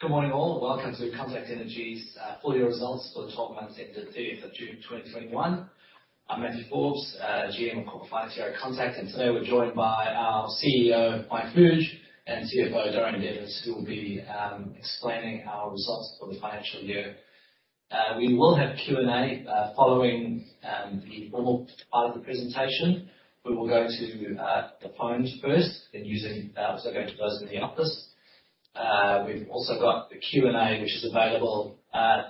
Good morning all? Welcome to Contact Energy's full year results for the 12 months ended 30th of June 2021. I'm Matt Forbes, GM of Corporate Finance here at Contact, and today we're joined by our Chief Executive Officer, Mike Fuge, and Chief Financial Officer, Dorian Devers, who will be explaining our results for the financial year. We will have Q&A following the formal part of the presentation. We will go to the phone first, then also go to those in the office. We've also got the Q&A, which is available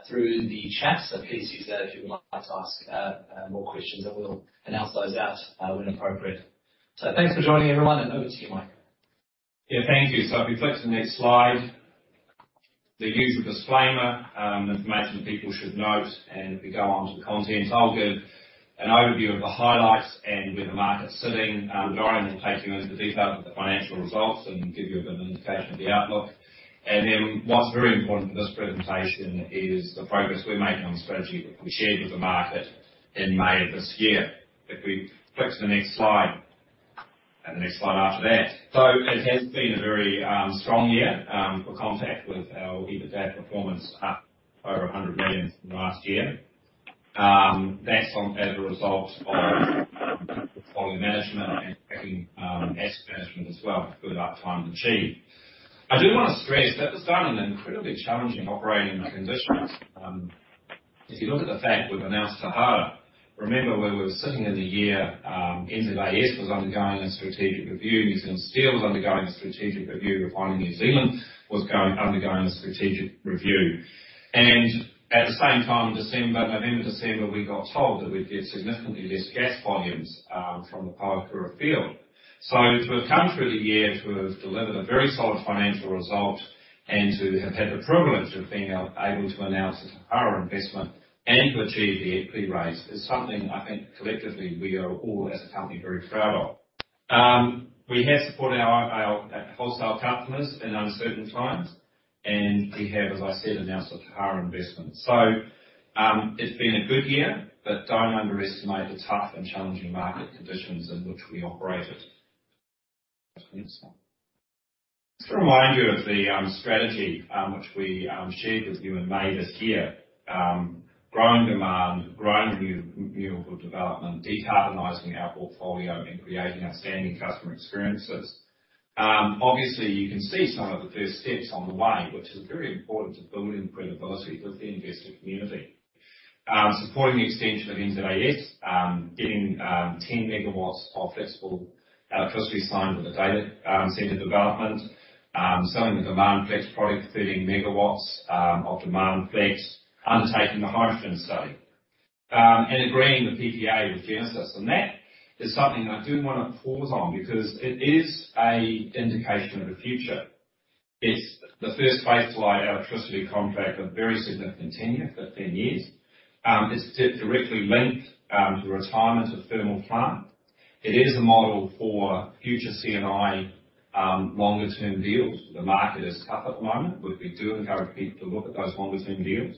through the chat, so please use that if you would like to ask more questions, and we'll announce those out when appropriate. Thanks for joining everyone, and over to you, Mike. Yeah, thank you. If we flick to the next slide. The usual disclaimer, information that people should note, and if we go on to the contents, I'll give an overview of the highlights and where the market's sitting. Dorian will take you over the detail of the financial results and give you a bit of an indication of the outlook. What's very important for this presentation is the progress we're making on the strategy that we shared with the market in May of this year. If we flick to the next slide, and the next slide after that. It has been a very strong year for Contact with our EBITDA performance up over $100 million from last year. That's as a result of volume management and asset management as well, good uptime achieved. I do want to stress that was done in incredibly challenging operating conditions. If you look at the fact we've announced Tauhara, remember where we were sitting in the year, NZAS was undergoing a strategic review. New Zealand Steel was undergoing a strategic review. Refining New Zealand was undergoing a strategic review. At the same time, November, December, we got told that we'd get significantly less gas volumes from the Pohokura field. To have come through the year to have delivered a very solid financial result and to have had the privilege of being able to announce the Tauhara investment and to achieve the equity raise is something I think collectively we are all as a company very proud of. We have supported our wholesale customers in uncertain times, and we have, as I said, announced the Tauhara investment. It's been a good year, but don't underestimate the tough and challenging market conditions in which we operated. Next slide. Just to remind you of the strategy which we shared with you in May this year. Growing demand, growing renewable development, decarbonizing our portfolio, and creating outstanding customer experiences. You can see some of the first steps on the way, which is very important to building credibility with the investor community. Supporting the extension of NZAS, getting 10 MW of flexible electricity signed with the data center development. Selling the Demand Flex product, 13 MW of Demand Flex, undertaking the hydrogen study, and agreeing the PPA with Genesis. That is something I do want to pause on because it is an indication of the future. It's the first-phase electricity contract of very significant tenure, 15 years. It's directly linked to the retirement of thermal plant. It is a model for future C&I longer-term deals. The market is tough at the moment, we do encourage people to look at those longer-term deals.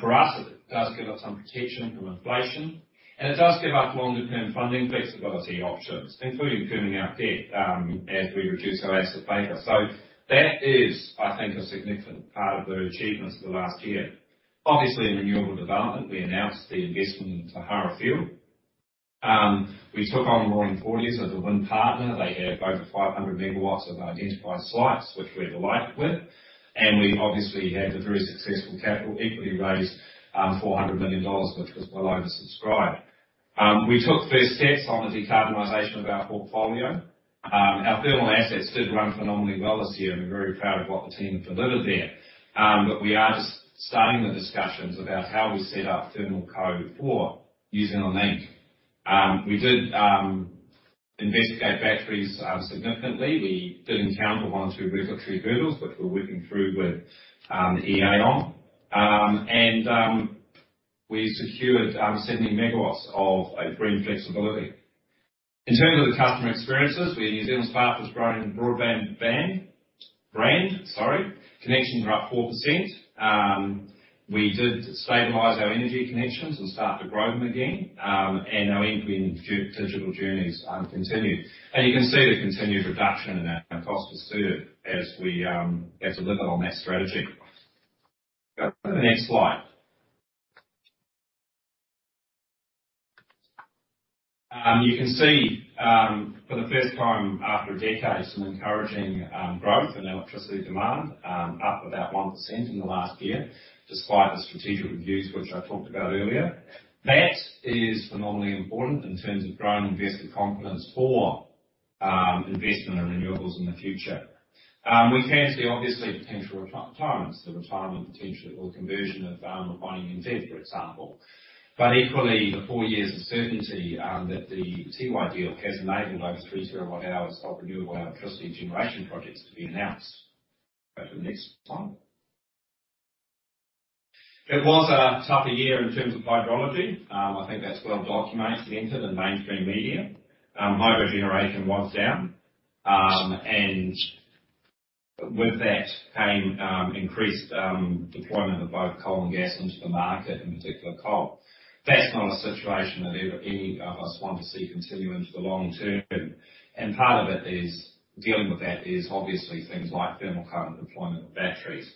For us, it does give us some protection from inflation, and it does give us longer-term funding flexibility options, including paying out debt, as we reduce our asset paper. That is, I think, a significant part of the achievements of the last year. Obviously, in renewable development, we announced the investment in Tauhara field. We took on Roaring40s as a wind partner. They have over 500 MW of identified sites, which we're delighted with. We've obviously had the very successful capital equity raise, $400 million, which was well oversubscribed. We took first steps on the decarbonization of our portfolio. Our thermal assets did run phenomenally well this year, and we're very proud of what the team have delivered there. We are just starting the discussions about how we set up Thermal Co for using our link. We did investigate batteries significantly. We did encounter one or two regulatory hurdles, which we're working through with EA on. We secured 70 MW of green flexibility. In terms of the customer experiences, we at Spark New Zealand have grown broadband brand. Connections are up 4%. We did stabilize our energy connections and start to grow them again. Our end-to-end digital journeys continued. You can see the continued reduction in our cost to serve as we deliver on that strategy. Go to the next slide. You can see for the first time after a decade, some encouraging growth in electricity demand, up about 1% in the last year, despite the strategic reviews which I talked about earlier. That is phenomenally important in terms of growing investor confidence for investment and renewables in the future. We can see obviously potential retirements, the retirement potential or conversion of Refining NZ, for example. Equally, the four years of certainty that the Tiwai deal has enabled over 3 TWh of renewable electricity generation projects to be announced. Go to the next slide. It was a tougher year in terms of hydrology. I think that's well documented in mainstream media. Hydro generation was down. With that came increased deployment of both coal and gas into the market, in particular coal. That's not a situation that any of us want to see continue into the long term. Part of it is dealing with that is obviously things like thermal carbon deployment of batteries.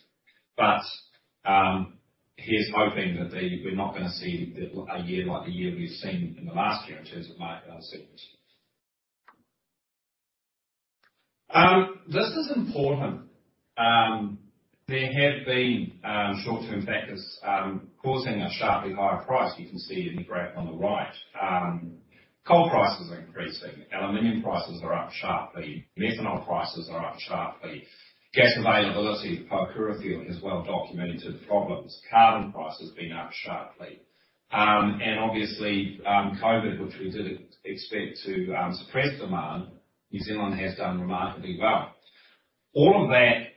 Here's hoping that we're not going to see a year like the year we've seen in the last year, in terms of market uncertainty. This is important. There have been short-term factors causing a sharply higher price. You can see in the graph on the right. Coal prices are increasing, aluminum prices are up sharply, methanol prices are up sharply. Gas availability at the Pohokura field has well-documented problems. Carbon price has been up sharply. Obviously, COVID, which we did expect to suppress demand, New Zealand has done remarkably well. All of that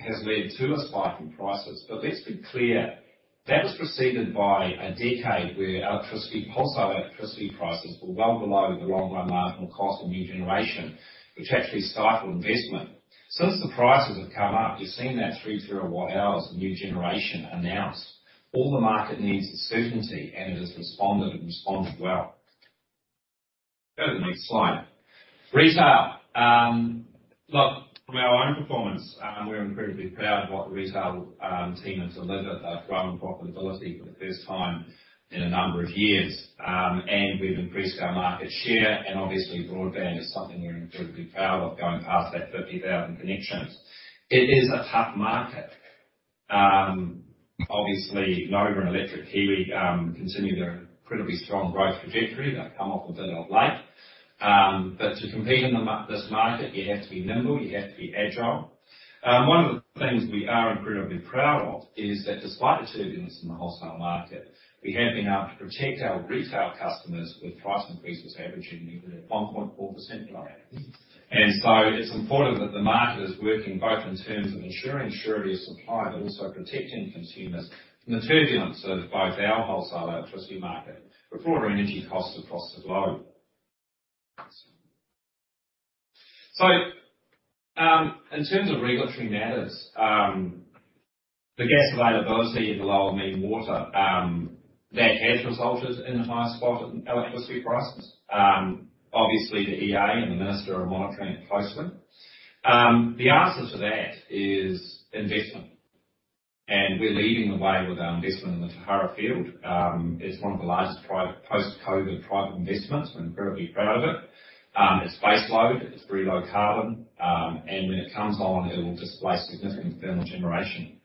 has led to a spike in prices. Let's be clear, that was preceded by a decade where wholesale electricity prices were well below the long-run marginal cost of new generation, which actually stifled investment. Since the prices have come up, you're seeing that [3,300 W hours] of new generation announced. All the market needs is certainty, and it has responded and responded well. Go to the next slide. Retail. Look, from our own performance, we're incredibly proud of what the retail team has delivered. They've grown profitability for the first time in a number of years. We've increased our market share, and obviously broadband is something we're incredibly proud of going past that 50,000 connections. It is a tough market. Obviously, Nova Energy and Electric Kiwi continue their incredibly strong growth trajectory. They've come off a bit of late. To compete in this market, you have to be nimble, you have to be agile. One of the things we are incredibly proud of is that despite the turbulence in the wholesale market, we have been able to protect our retail customers with price increases averaging only 1.4%, Dorian Devers. It's important that the market is working both in terms of ensuring surety of supply, but also protecting consumers from the turbulence of both our wholesale electricity market, but broader energy costs across the globe. In terms of regulatory matters, the gas availability in the lower main water, that has resulted in a higher spike in electricity prices. Obviously, the EA and the Minister are monitoring it closely. The answer to that is investment. We're leading the way with our investment in the Tauhara field. It's one of the largest post-COVID private investments. We're incredibly proud of it. It's base load, it's very low carbon, and when it comes on, it will displace significant thermal generation.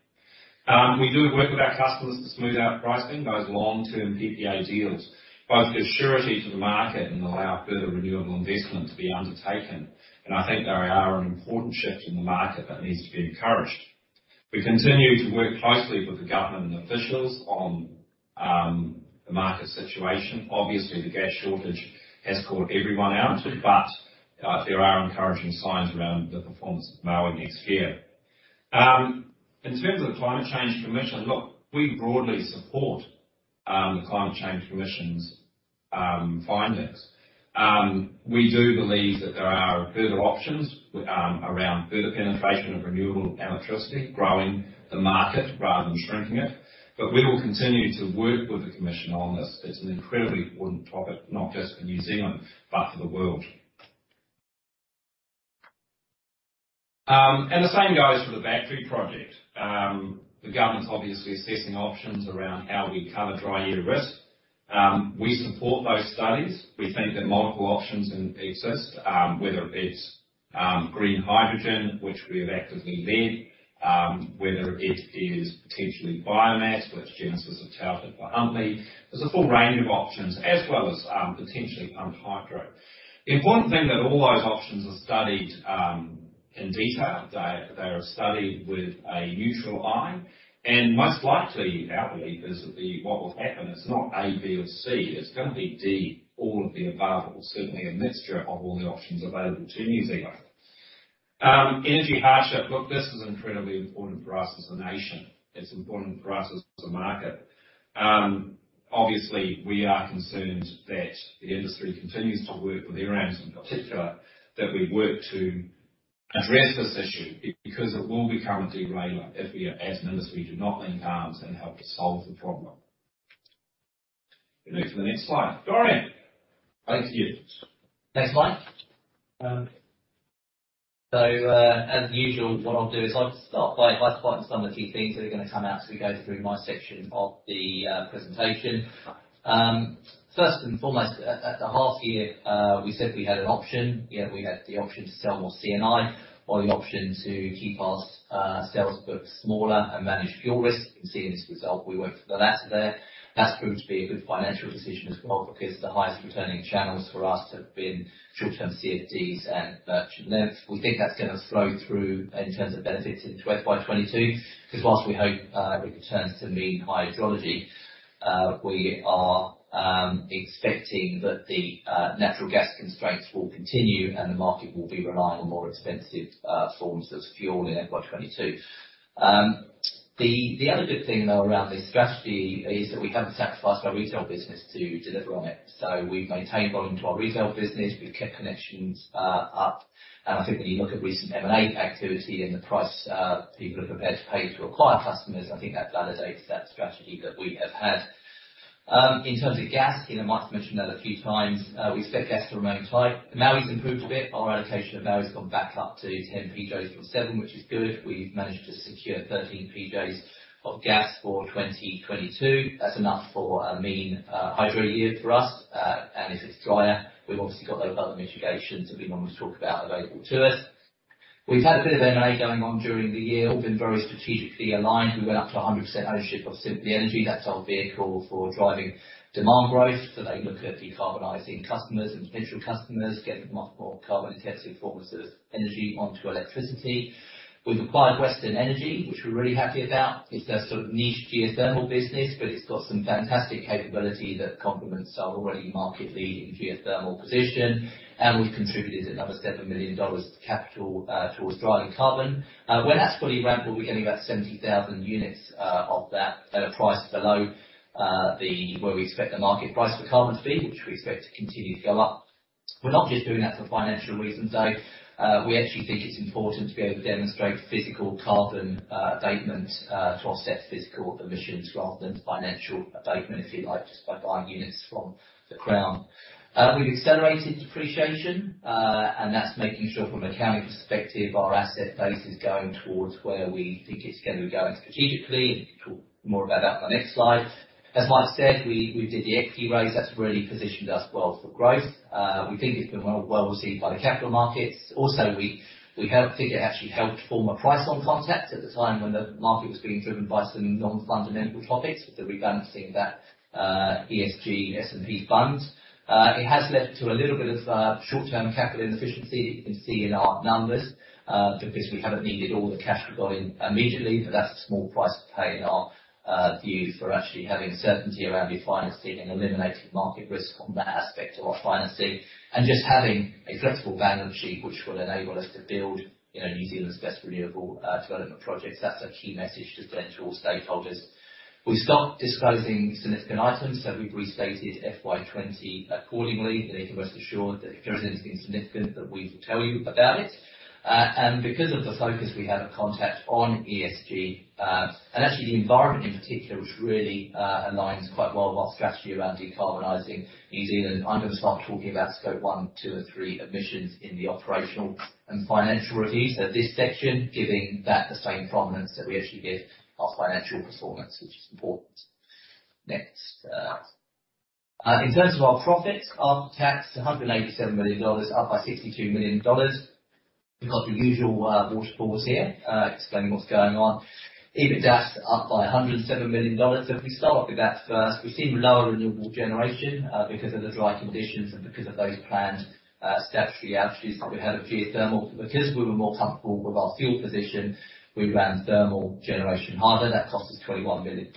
We do work with our customers to smooth out pricing those long-term PPA deals, both give surety to the market and allow further renewable investment to be undertaken. I think they are an important shift in the market that needs to be encouraged. We continue to work closely with the government and officials on the market situation. Obviously, the gas shortage has caught everyone out, but there are encouraging signs around the performance of Maui next year. In terms of the Climate Change Commission, look, we broadly support the Climate Change Commission's findings. We do believe that there are further options around further penetration of renewable electricity, growing the market rather than shrinking it. We will continue to work with the commission on this. It's an incredibly important topic, not just for New Zealand, but for the world. The same goes for the battery project. The government's obviously assessing options around how we cover dry year risk. We support those studies. We think that multiple options exist, whether it be green hydrogen, which we have actively led, whether it is potentially biomass, which Genesis have touted for Huntly. There's a full range of options as well as potentially pumped hydro. The important thing that all those options are studied in detail. They are studied with a neutral eye, most likely, our belief is that what will happen, it's not A, B, or C, it's going to be D, all of the above, or certainly a mixture of all the options available to New Zealand. Energy hardship. Look, this is incredibly important for us as a nation. It's important for us as a market. Obviously, we are concerned that the industry continues to work with Air NZ in particular, that we work to address this issue because it will become a derailer if we, as an industry, do not lend arms and help us solve the problem. Move to the next slide. Dorian, over to you. Next slide. As usual, what I'll do is I'll start by highlighting some of the key themes that are going to come out as we go through my section of the presentation. First and foremost, at the half year, we said we had an option. We had the option to sell more C&I or the option to keep our sales book smaller and manage fuel risk. You can see in this result, we went for the latter there. That's proved to be a good financial decision as well because the highest returning channels for us have been short-term CFD and merchant. We think that's going to flow through in terms of benefits in FY 2022, because whilst we hope it returns to mean hydrology, we are expecting that the natural gas constraints will continue and the market will be relying on more expensive forms of fuel in FY 2022. The other good thing, though, around this strategy is that we haven't sacrificed our retail business to deliver on it. We've maintained volume to our retail business. We've kept connections up. I think when you look at recent M&A activity and the price people are prepared to pay to acquire customers, I think that validates that strategy that we have had. In terms of gas, Mike mentioned that a few times. We expect gas to remain tight. Maui's improved a bit. Our allocation of Maui's gone back up to 10 PJs from 7 PJs, which is good. We've managed to secure 13 PJs of gas for 2022. That's enough for a mean hydro year for us. If it's drier, we've obviously got those other mitigations that we normally talk about available to us. We've had a bit of M&A going on during the year, all been very strategically aligned. We went up to 100% ownership of Simply Energy. That's our vehicle for driving demand growth. They look at decarbonizing customers and potential customers, getting much more carbon-intensive forms of energy onto electricity. We've acquired Western Energy, which we're really happy about. It's a sort of niche geothermal business, but it's got some fantastic capability that complements our already market-leading geothermal position. We've contributed another $7 million to capital towards Drylandcarbon. When that's fully ramped, we'll be getting about 70,000 units of that at a price below where we expect the market price for carbon to be, which we expect to continue to go up. We're not just doing that for financial reasons, though. We actually think it's important to be able to demonstrate physical carbon abatement to offset physical emissions rather than financial abatement, if you like, just by buying units from the Crown. We've accelerated depreciation, That's making sure from an accounting perspective, our asset base is going towards where we think it's going to be going strategically. We'll talk more about that on the next slide. As Mike said, we did the equity raise. That's really positioned us well for growth. We think it's been well received by the capital markets. We think it actually helped form a price on Contact Energy at the time when the market was being driven by some non-fundamental topics, the rebalancing of that ESG S&P fund. It has led to a little bit of short-term capital inefficiency that you can see in our numbers, because we haven't needed all the cash flowing immediately. That's a small price to pay, in our view, for actually having certainty around refinancing and eliminating market risk from that aspect of our financing and just having a flexible balance sheet, which will enable us to build New Zealand's best renewable development projects. That's a key message to send to all stakeholders. We've stopped disclosing significant items, so we've restated FY 2020 accordingly. You can rest assured that if there is anything significant that we will tell you about it. Because of the focus we have at Contact on ESG, and actually the environment in particular, which really aligns quite well with our strategy around decarbonizing New Zealand. I'm going to start talking about Scope 1, Scope 2, and Scope 3 emissions in the operational and financial review. This section, giving that the same prominence that we actually give our financial performance, which is important. Next. In terms of our profits after tax, $187 million, up by $62 million. We've got the usual waterfalls here explaining what's going on. EBITDA's up by $107 million. If we start off with that first, we've seen lower renewable generation because of the dry conditions and because of those planned statutory outages. We've had a few thermal. Because we were more comfortable with our fuel position, we ran thermal generation harder. That cost us $21 million.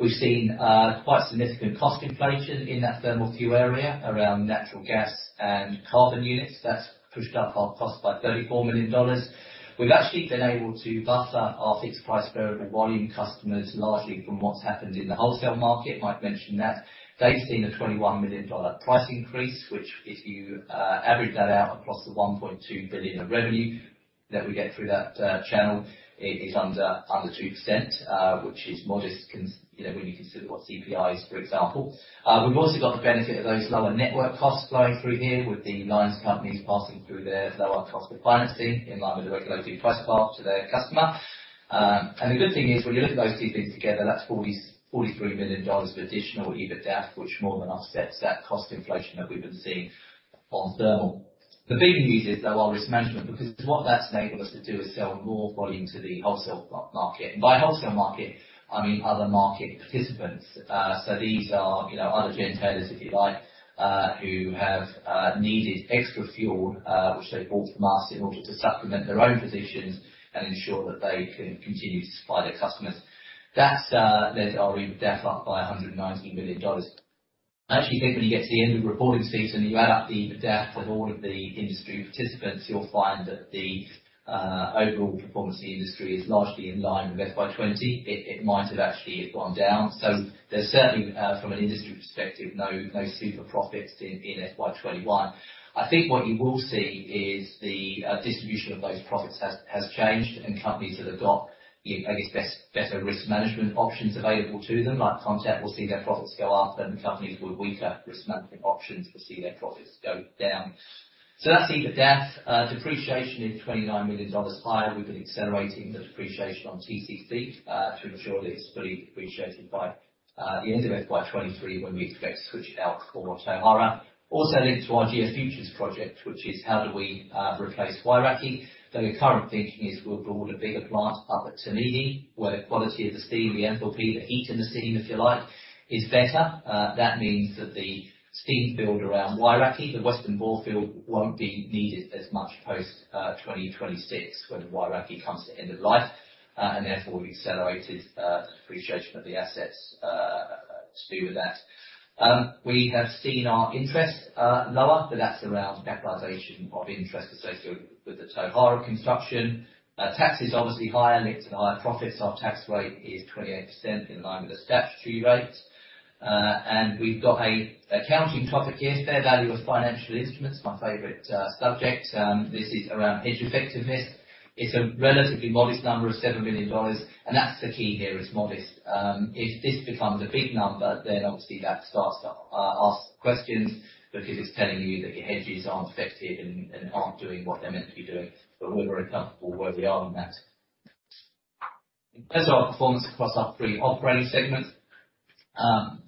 We've seen quite significant cost inflation in that thermal fuel area around natural gas and carbon units. That's pushed up our cost by $34 million. We've actually been able to buffer our fixed price, variable volume customers largely from what's happened in the wholesale market. Mike mentioned that. They've seen a $21 million price increase, which if you average that out across the $1.2 billion of revenue that we get through that channel, it is under 2%, which is modest when you consider what CPI is, for example. We've also got the benefit of those lower network costs flowing through here with the lines companies passing through their lower cost of financing in line with the regulated price path to their customer. The good thing is, when you look at those two things together, that's $43 million of additional EBITDA, which more than offsets that cost inflation that we've been seeing on thermal. The big news is, though, our risk management. What that's enabled us to do is sell more volume to the wholesale market. By wholesale market, I mean other market participants. These are other generators, if you like, who have needed extra fuel, which they bought from us in order to supplement their own positions and ensure that they can continue to supply their customers. That's led to our EBITDA up by $119 million. I actually think when you get to the end of the reporting season, you add up the EBITDA of all of the industry participants, you'll find that the overall performance of the industry is largely in line with FY 2020. It might have actually gone down. There's certainly, from an industry perspective, no super profits in FY 2021. I think what you will see is the distribution of those profits has changed, and companies that have got better risk management options available to them, like Contact, will see their profits go up, and companies with weaker risk management options will see their profits go down. That's EBITDA. Depreciation is $29 million higher. We've been accelerating the depreciation on TCC to ensure that it's fully depreciated by the end of FY 2023 when we expect to switch out for Tauhara. Also linked to our GeoFuture project, which is how do we replace Wairākei. The current thinking is we'll build a bigger plant up at Te Mihi, where the quality of the steam, the enthalpy, the heat in the steam, if you like, is better. That means that the steam field around Wairākei, the Western Borefield, won't be needed as much post-2026 when Wairākei comes to end of life. Therefore, we accelerated depreciation of the assets to do with that. We have seen our interest lower, but that's around capitalization of interest associated with the Tauhara construction. Tax is obviously higher linked to higher profits. Our tax rate is 28%, in line with the statutory rate. We've got an accounting topic here, fair value of financial instruments, my favorite subject. This is around hedge effectiveness. It's a relatively modest number of $7 million, that's the key here, it's modest. If this becomes a big number, obviously you have to start to ask questions because it's telling you that your hedges aren't effective and aren't doing what they're meant to be doing. We're very comfortable where we are on that. In terms of our performance across our three operating segments,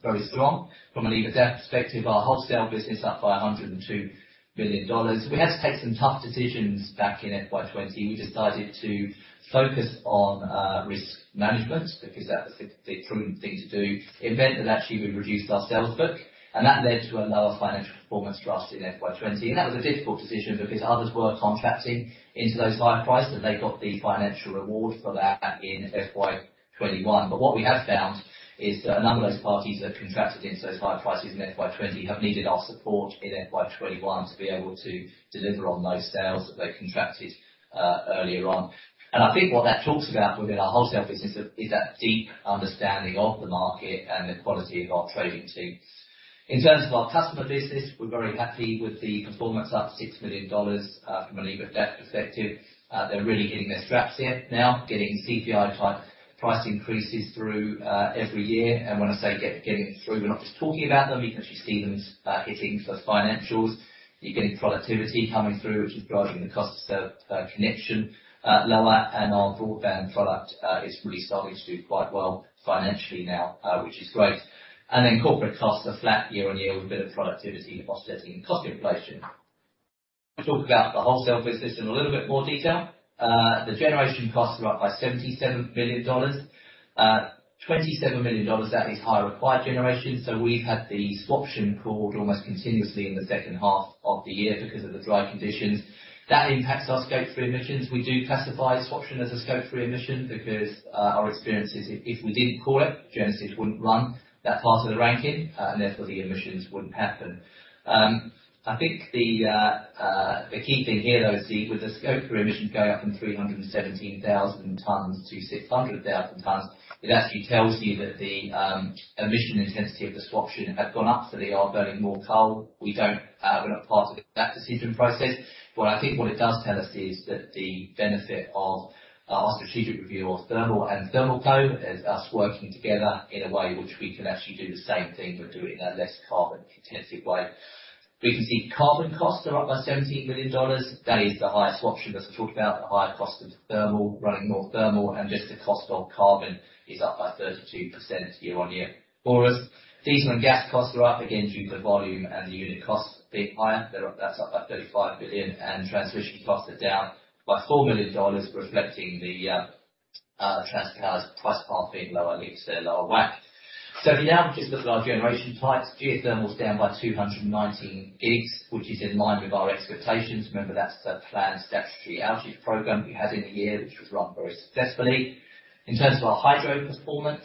very strong. From an EBITDA perspective, our wholesale business up by $102 million. We had to take some tough decisions back in FY 2020. We decided to focus on risk management because that was the prudent thing to do. It meant that actually we reduced our sales book, that led to a lower financial performance for us in FY 2020. That was a difficult decision because others were contracting into those higher prices. They got the financial reward for that in FY 2021. What we have found is that a number of those parties that have contracted into those higher prices in FY 2020 have needed our support in FY 2021 to be able to deliver on those sales that they contracted earlier on. I think what that talks about within our wholesale business is that deep understanding of the market and the quality of our trading team. In terms of our customer business, we're very happy with the performance, up $6 million from an EBITDA perspective. They're really hitting their straps here now, getting CPI-type price increases through every year. When I say getting it through, we're not just talking about them. You can actually see them hitting those financials. You're getting productivity coming through, which is driving the cost connection lower. Our broadband product is really starting to do quite well financially now, which is great. Corporate costs are flat year-on-year with a bit of productivity offsetting cost inflation. Talk about the wholesale business in a little bit more detail. The generation costs are up by $77 million, $27 million, that is higher acquired generation. We've had the swaption called almost continuously in the second half of the year because of the dry conditions. That impacts our Scope 3 emissions. We do classify swaption as a Scope 3 emission because our experience is if we didn't call it, Genesis wouldn't run that part of the Rankine, and therefore, the emissions wouldn't happen. I think the key thing here, though, is with the Scope 3 emissions going up from 317,000 tons to 600,000 tons, it actually tells you that the emission intensity of the swaption had gone up, so they are burning more coal. We're not part of that decision process. What it does tell us is that the benefit of our strategic review of thermal and Thermal Co is us working together in a way which we can actually do the same thing we're doing in a less carbon-intensive way. We can see carbon costs are up by $17 million. That is the higher swaption that I am talking about. The higher cost of thermal, running more thermal, and just the cost of carbon is up by 32% year-over-year for us. Diesel and gas costs are up again due to volume and the unit cost being higher. That is up by $35 billion. Transmission costs are down by $4 million, reflecting Transpower's price path being lower leads to a lower WACC. If you now just look at our generation types, geothermal's down by 219 GW, which is in line with our expectations. Remember that is the planned statutory outage program we had in the year, which was run very successfully. In terms of our hydro performance,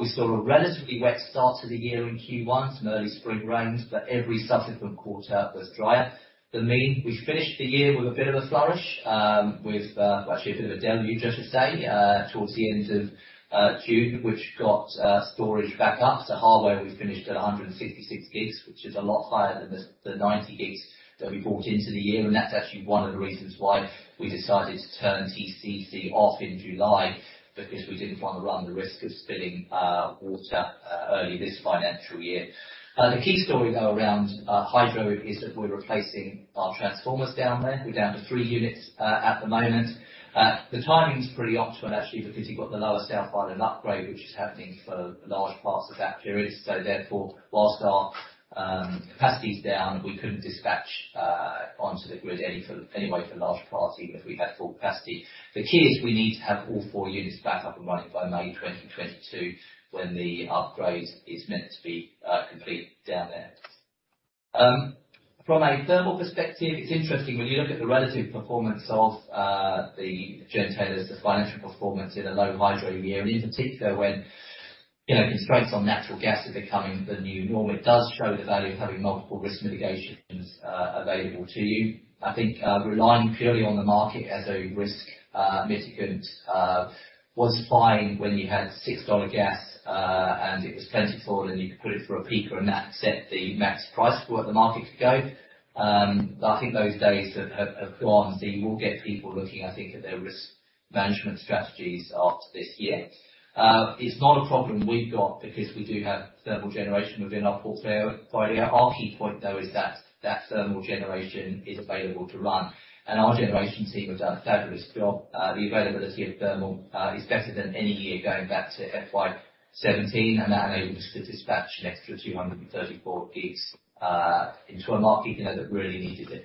we saw a relatively wet start to the year in Q1, some early spring rains, but every subsequent quarter was drier than mean. We finished the year with a bit of a flourish, with actually a bit of a deluge, I should say, towards the end of June, which got storage back up. Hāwea, we finished at 166 GW, which is a lot higher than the 90 GW that we brought into the year. That's actually one of the reasons why we decided to turn TCC off in July, because we didn't want to run the risk of spilling water early this financial year. The key story, though, around hydro is that we're replacing our transformers down there. We're down to three units at the moment. The timing's pretty optimal, actually, because you've got the Lower South Island upgrade, which is happening for large parts of that period. Therefore, whilst our capacity is down, we couldn't dispatch onto the grid anyway for large parts, even if we had full capacity. The key is we need to have all four units back up and running by May 2022, when the upgrade is meant to be complete down there. From a thermal perspective, it's interesting when you look at the relative performance of the generators, the financial performance in a low hydro year, and in particular when constraints on natural gas are becoming the new norm. It does show the value of having multiple risk mitigations available to you. I think relying purely on the market as a risk mitigant was fine when you had $6-gas, and it was plentiful, and you could put it through a peak or a max, set the max price for where the market could go. I think those days have gone. You will get people looking, I think, at their risk management strategies after this year. It's not a problem we've got because we do have thermal generation within our portfolio. Our key point, though, is that that thermal generation is available to run. Our generation team have done a fabulous job. The availability of thermal is better than any year going back to FY 2017, and that enabled us to dispatch an extra 234 GW into a market that really needed it.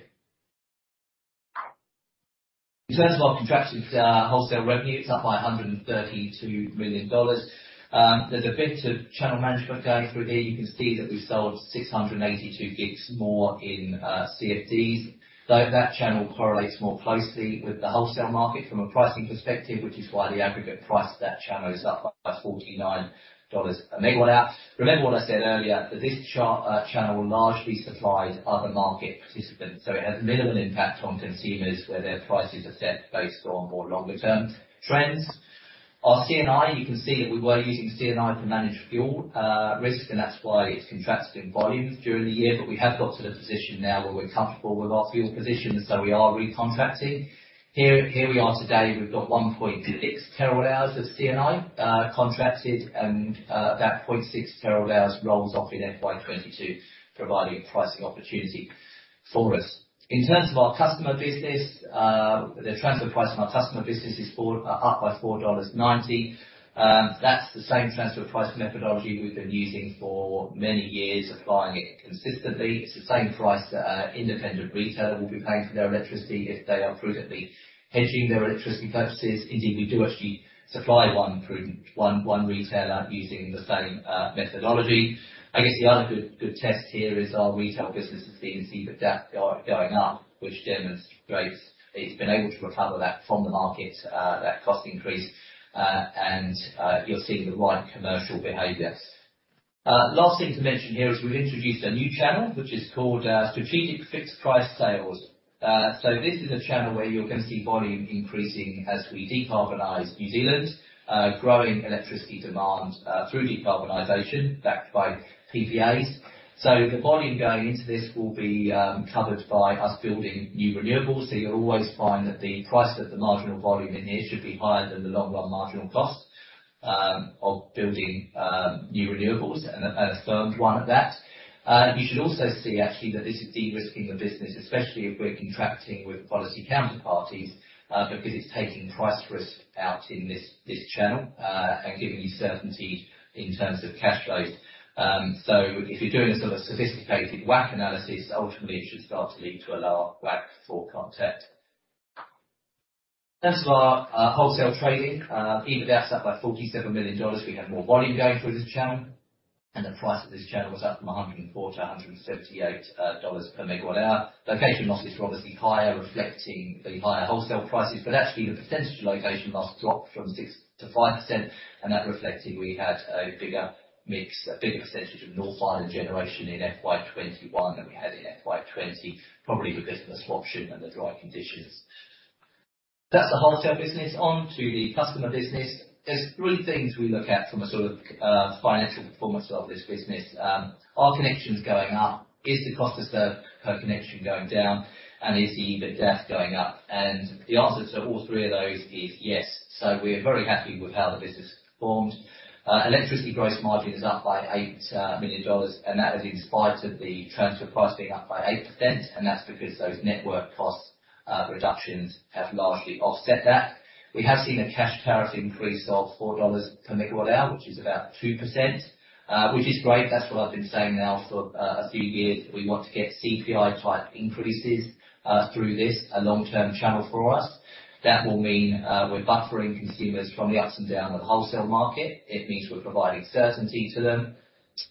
In terms of our contracted wholesale revenue, it's up by $132 million. There's a bit of channel management going through here. You can see that we sold 682 GW more in CFDs. That channel correlates more closely with the wholesale market from a pricing perspective, which is why the aggregate price of that channel is up by $49 a megawatt-hour. Remember what I said earlier, that this channel largely supplies other market participants, so it has minimal impact on consumers where their prices are set based on more longer-term trends. Our C&I, you can see that we were using C&I to manage fuel risk, and that's why it's contracted in volume during the year. We have got to the position now where we're comfortable with our fuel position, so we are recontracting. Here we are today. We've got 1.6 TWh of C&I contracted, and about 0.6 TWh rolls off in FY 2022, providing pricing opportunity for us. In terms of our customer business. The transfer price on our customer business is up by $4.90. That's the same transfer price methodology we've been using for many years, applying it consistently. It's the same price that an independent retailer will be paying for their electricity if they are prudently hedging their electricity purchases. Indeed, we do actually supply one retailer using the same methodology. I guess the other good test here is our retail business' EBITDA going up, which demonstrates it's been able to recover that from the market, that cost increase, and you're seeing the right commercial behavior. Last thing to mention here is we've introduced a new channel, which is called Strategic Fixed Price Sales. This is a channel where you're going to see volume increasing as we decarbonize New Zealand, growing electricity demand through decarbonization backed by PPAs. The volume going into this will be covered by us building new renewables. You'll always find that the price of the marginal volume in here should be higher than the long run marginal cost of building new renewables, and a firmed one at that. You should also see actually that this is de-risking the business, especially if we're contracting with policy counterparties, because it's taking price risk out in this channel, and giving you certainty in terms of cash flows. If you're doing a sort of sophisticated WACC analysis, ultimately it should start to lead to a lower WACC for Contact. In terms of our wholesale trading, EBITDA is up by $47 million. We have more volume going through this channel, and the price of this channel was up from $104 to $178 per MWh. Location loss is obviously higher, reflecting the higher wholesale prices. Actually, the percentage location loss dropped from 6% to 5%, and that reflected we had a bigger percentage of North Island generation in FY 2021 than we had in FY 2020, probably because of the swaption and the dry conditions. That's the wholesale business. On to the customer business. There's three things we look at from a financial performance of this business. Are connections going up? Is the cost to serve per connection going down? Is the EBITDA going up? The answer to all three of those is yes. We're very happy with how the business performed. Electricity gross margin is up by $8 million, that is in spite of the transfer price being up by 8%, that's because those network cost reductions have largely offset that. We have seen a cash tariff increase of $4 per MWh, which is about 2%, which is great. That's what I've been saying now for a few years. We want to get CPI type increases through this, a long-term channel for us. That will mean we're buffering consumers from the ups and downs of the wholesale market. It means we're providing certainty to them.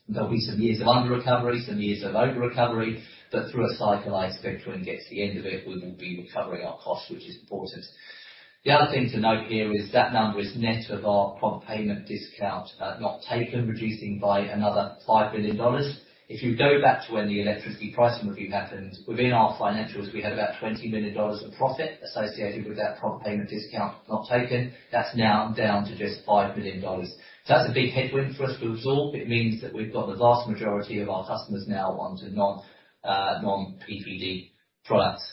There'll be some years of under-recovery, some years of over-recovery, through a cycle, I expect when we get to the end of it, we will be recovering our costs, which is important. The other thing to note here is that number is net of our prompt payment discount not taken, reducing by another $5 million. If you go back to when the Electricity Price Review happened, within our financials, we had about $20 million of profit associated with that prompt payment discount not taken. That's now down to just $5 million. That's a big headwind for us to absorb. It means that we've got the vast majority of our customers now onto non-PPD products.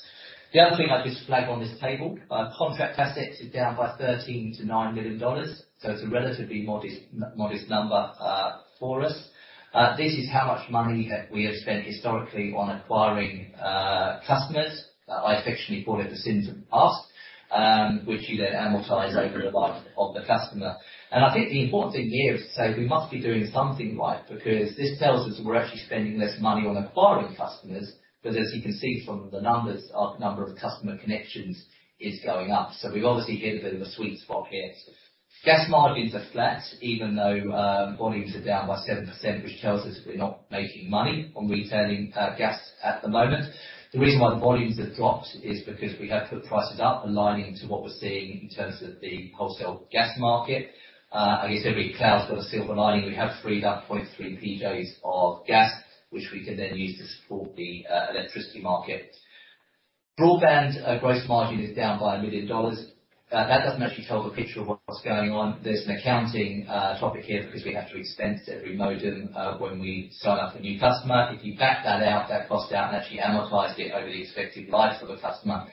The other thing I'd just flag on this table, contract assets is down by $13 million to $9 million. It's a relatively modest number for us. This is how much money we have spent historically on acquiring customers. I affectionately call it the sins of the past, which you then amortize over the life of the customer. I think the important thing here is to say we must be doing something right, because this tells us we're actually spending less money on acquiring customers. As you can see from the numbers, our number of customer connections is going up. We obviously hit a bit of a sweet spot here. Gas margins are flat, even though volumes are down by 7%, which tells us we're not making money on retailing gas at the moment. The reason why the volumes have dropped is because we have put prices up, aligning to what we're seeing in terms of the wholesale gas market. I guess every cloud's got a silver lining. We have freed up 0.3 PJs of gas, which we can then use to support the electricity market. Broadband gross margin is down by a $1 million. That doesn't actually tell the picture of what's going on. There's an accounting topic here because we have to expense every modem when we sign up a new customer. If you back that out, that cost out, and actually amortize it over the expected life of a customer,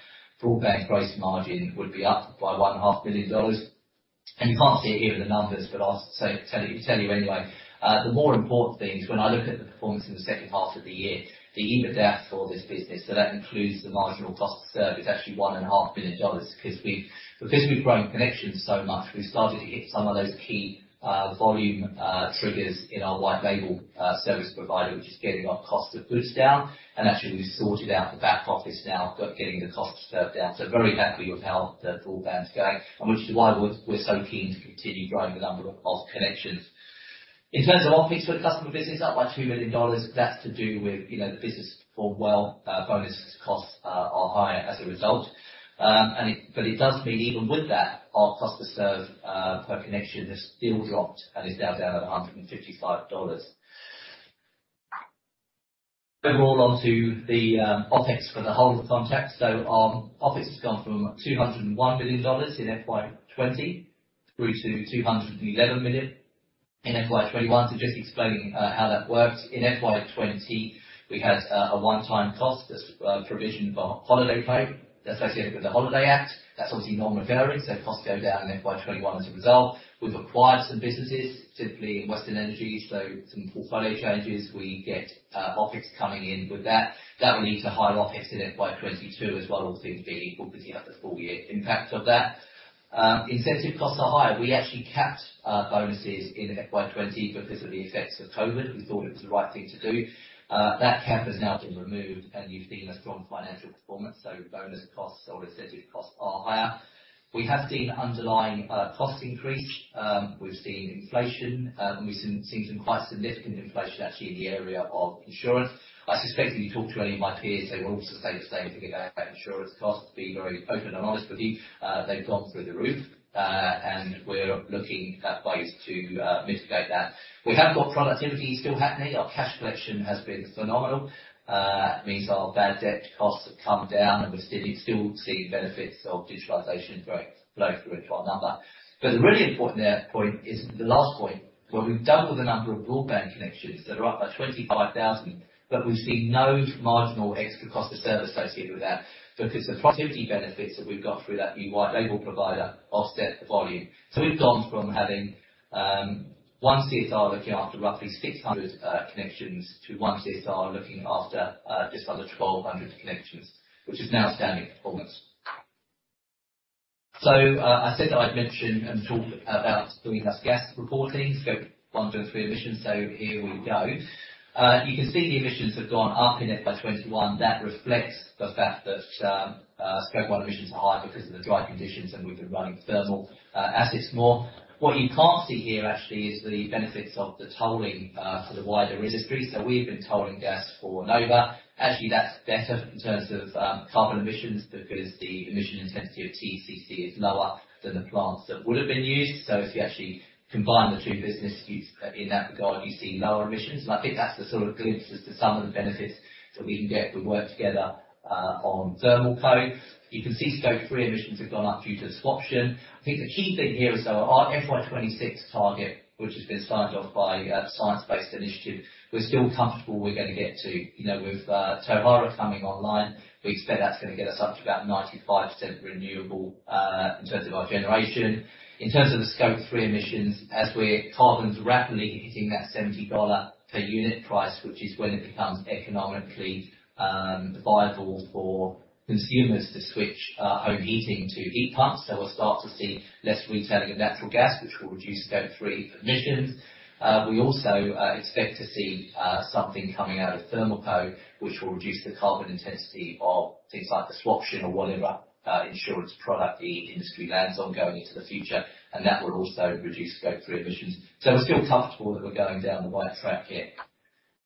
broadband gross margin would be up by $1.5 million. You can't see it here in the numbers, but I'll tell you anyway. The more important thing is when I look at the performance in the second half of the year, the EBITDA for this business, so that includes the marginal cost to serve, is actually $1.5 million. Because we've grown connections so much, we started to hit some of those key volume triggers in our white label service provider, which is getting our cost of goods down. Actually, we've sorted out the back office now, getting the cost to serve down. Very happy with how the broadband's going, and which is why we're so keen to continue growing the number of connections. In terms of OpEx for the customer business, up by $2 million. That's to do with the business performed well. Bonus costs are higher as a result. It does mean even with that, our cost to serve per connection has still dropped and is now down at $155. Moving on to the OpEx for the whole of Contact. Our OpEx has gone from $201 million in FY 2020 through to $211 million in FY 2021. Just explaining how that works. In FY 2020, we had a one-time cost that's a provision for holiday pay associated with the Holiday Act. That's obviously non-recurring, so costs go down in FY 2021 as a result. We've acquired some businesses, specifically in Western Energy, so some portfolio changes. We get OpEx coming in with that. That will lead to higher OpEx in FY 2022 as well, all things being equal, because you have the full year impact of that. Incentive costs are higher. We actually capped bonuses in FY 2020 because of the effects of COVID. We thought it was the right thing to do. That cap has now been removed, and you've seen a strong financial performance. Bonus costs or incentive costs are higher. We have seen underlying cost increase. We've seen inflation, and we've seen some quite significant inflation actually in the area of insurance. I suspect if you talk to any of my peers, they will also say the same thing about insurance costs. To be very open and honest with you, they've gone through the roof, and we're looking at ways to mitigate that. We have got productivity still happening. Our cash collection has been phenomenal. It means our bad debt costs have come down, and we're still seeing benefits of digitalization flowing through into our number. The really important point is the last point, where we've doubled the number of broadband connections that are up by 25,000. We've seen no marginal extra cost of service associated with that because the productivity benefits that we've got through that new white label provider offset the volume. We've gone from having one CSR looking after roughly 600 connections to one CSR looking after just under 1,200 connections, which is an outstanding performance. I said I'd mention and talk about greenhouse gas reporting, Scope 1, Scope 2, and Scope 3 emissions. Here we go. You can see the emissions have gone up in FY 2021. That reflects the fact that Scope 1 emissions are higher because of the dry conditions, and we've been running thermal assets more. What you can't see here actually is the benefits of the tolling for the wider industry. We've been tolling gas for Nova. Actually, that's better in terms of carbon emissions because the emission intensity of TCC is lower than the plants that would have been used. If you actually combine the two businesses in that regard, you see lower emissions. I think that's the sort of glimpse as to some of the benefits that we can get if we work together on Thermal Co. You can see Scope 3 emissions have gone up due to the swaption. I think the key thing here is our FY 2026 target, which has been signed off by the Science Based Targets Initiative. We're still comfortable we're going to get to. With Tauhara coming online, we expect that's going to get us up to about 95% renewable in terms of our generation. In terms of the Scope 3 emissions, as carbon is rapidly hitting that $70 per unit price, which is when it becomes economically viable for consumers to switch home heating to heat pumps. We'll start to see less retailing of natural gas, which will reduce Scope 3 emissions. We also expect to see something coming out of Thermal Co, which will reduce the carbon intensity of things like the swaption or whatever insurance product the industry lands on going into the future, and that will also reduce Scope 3 emissions. We're still comfortable that we're going down the right track here.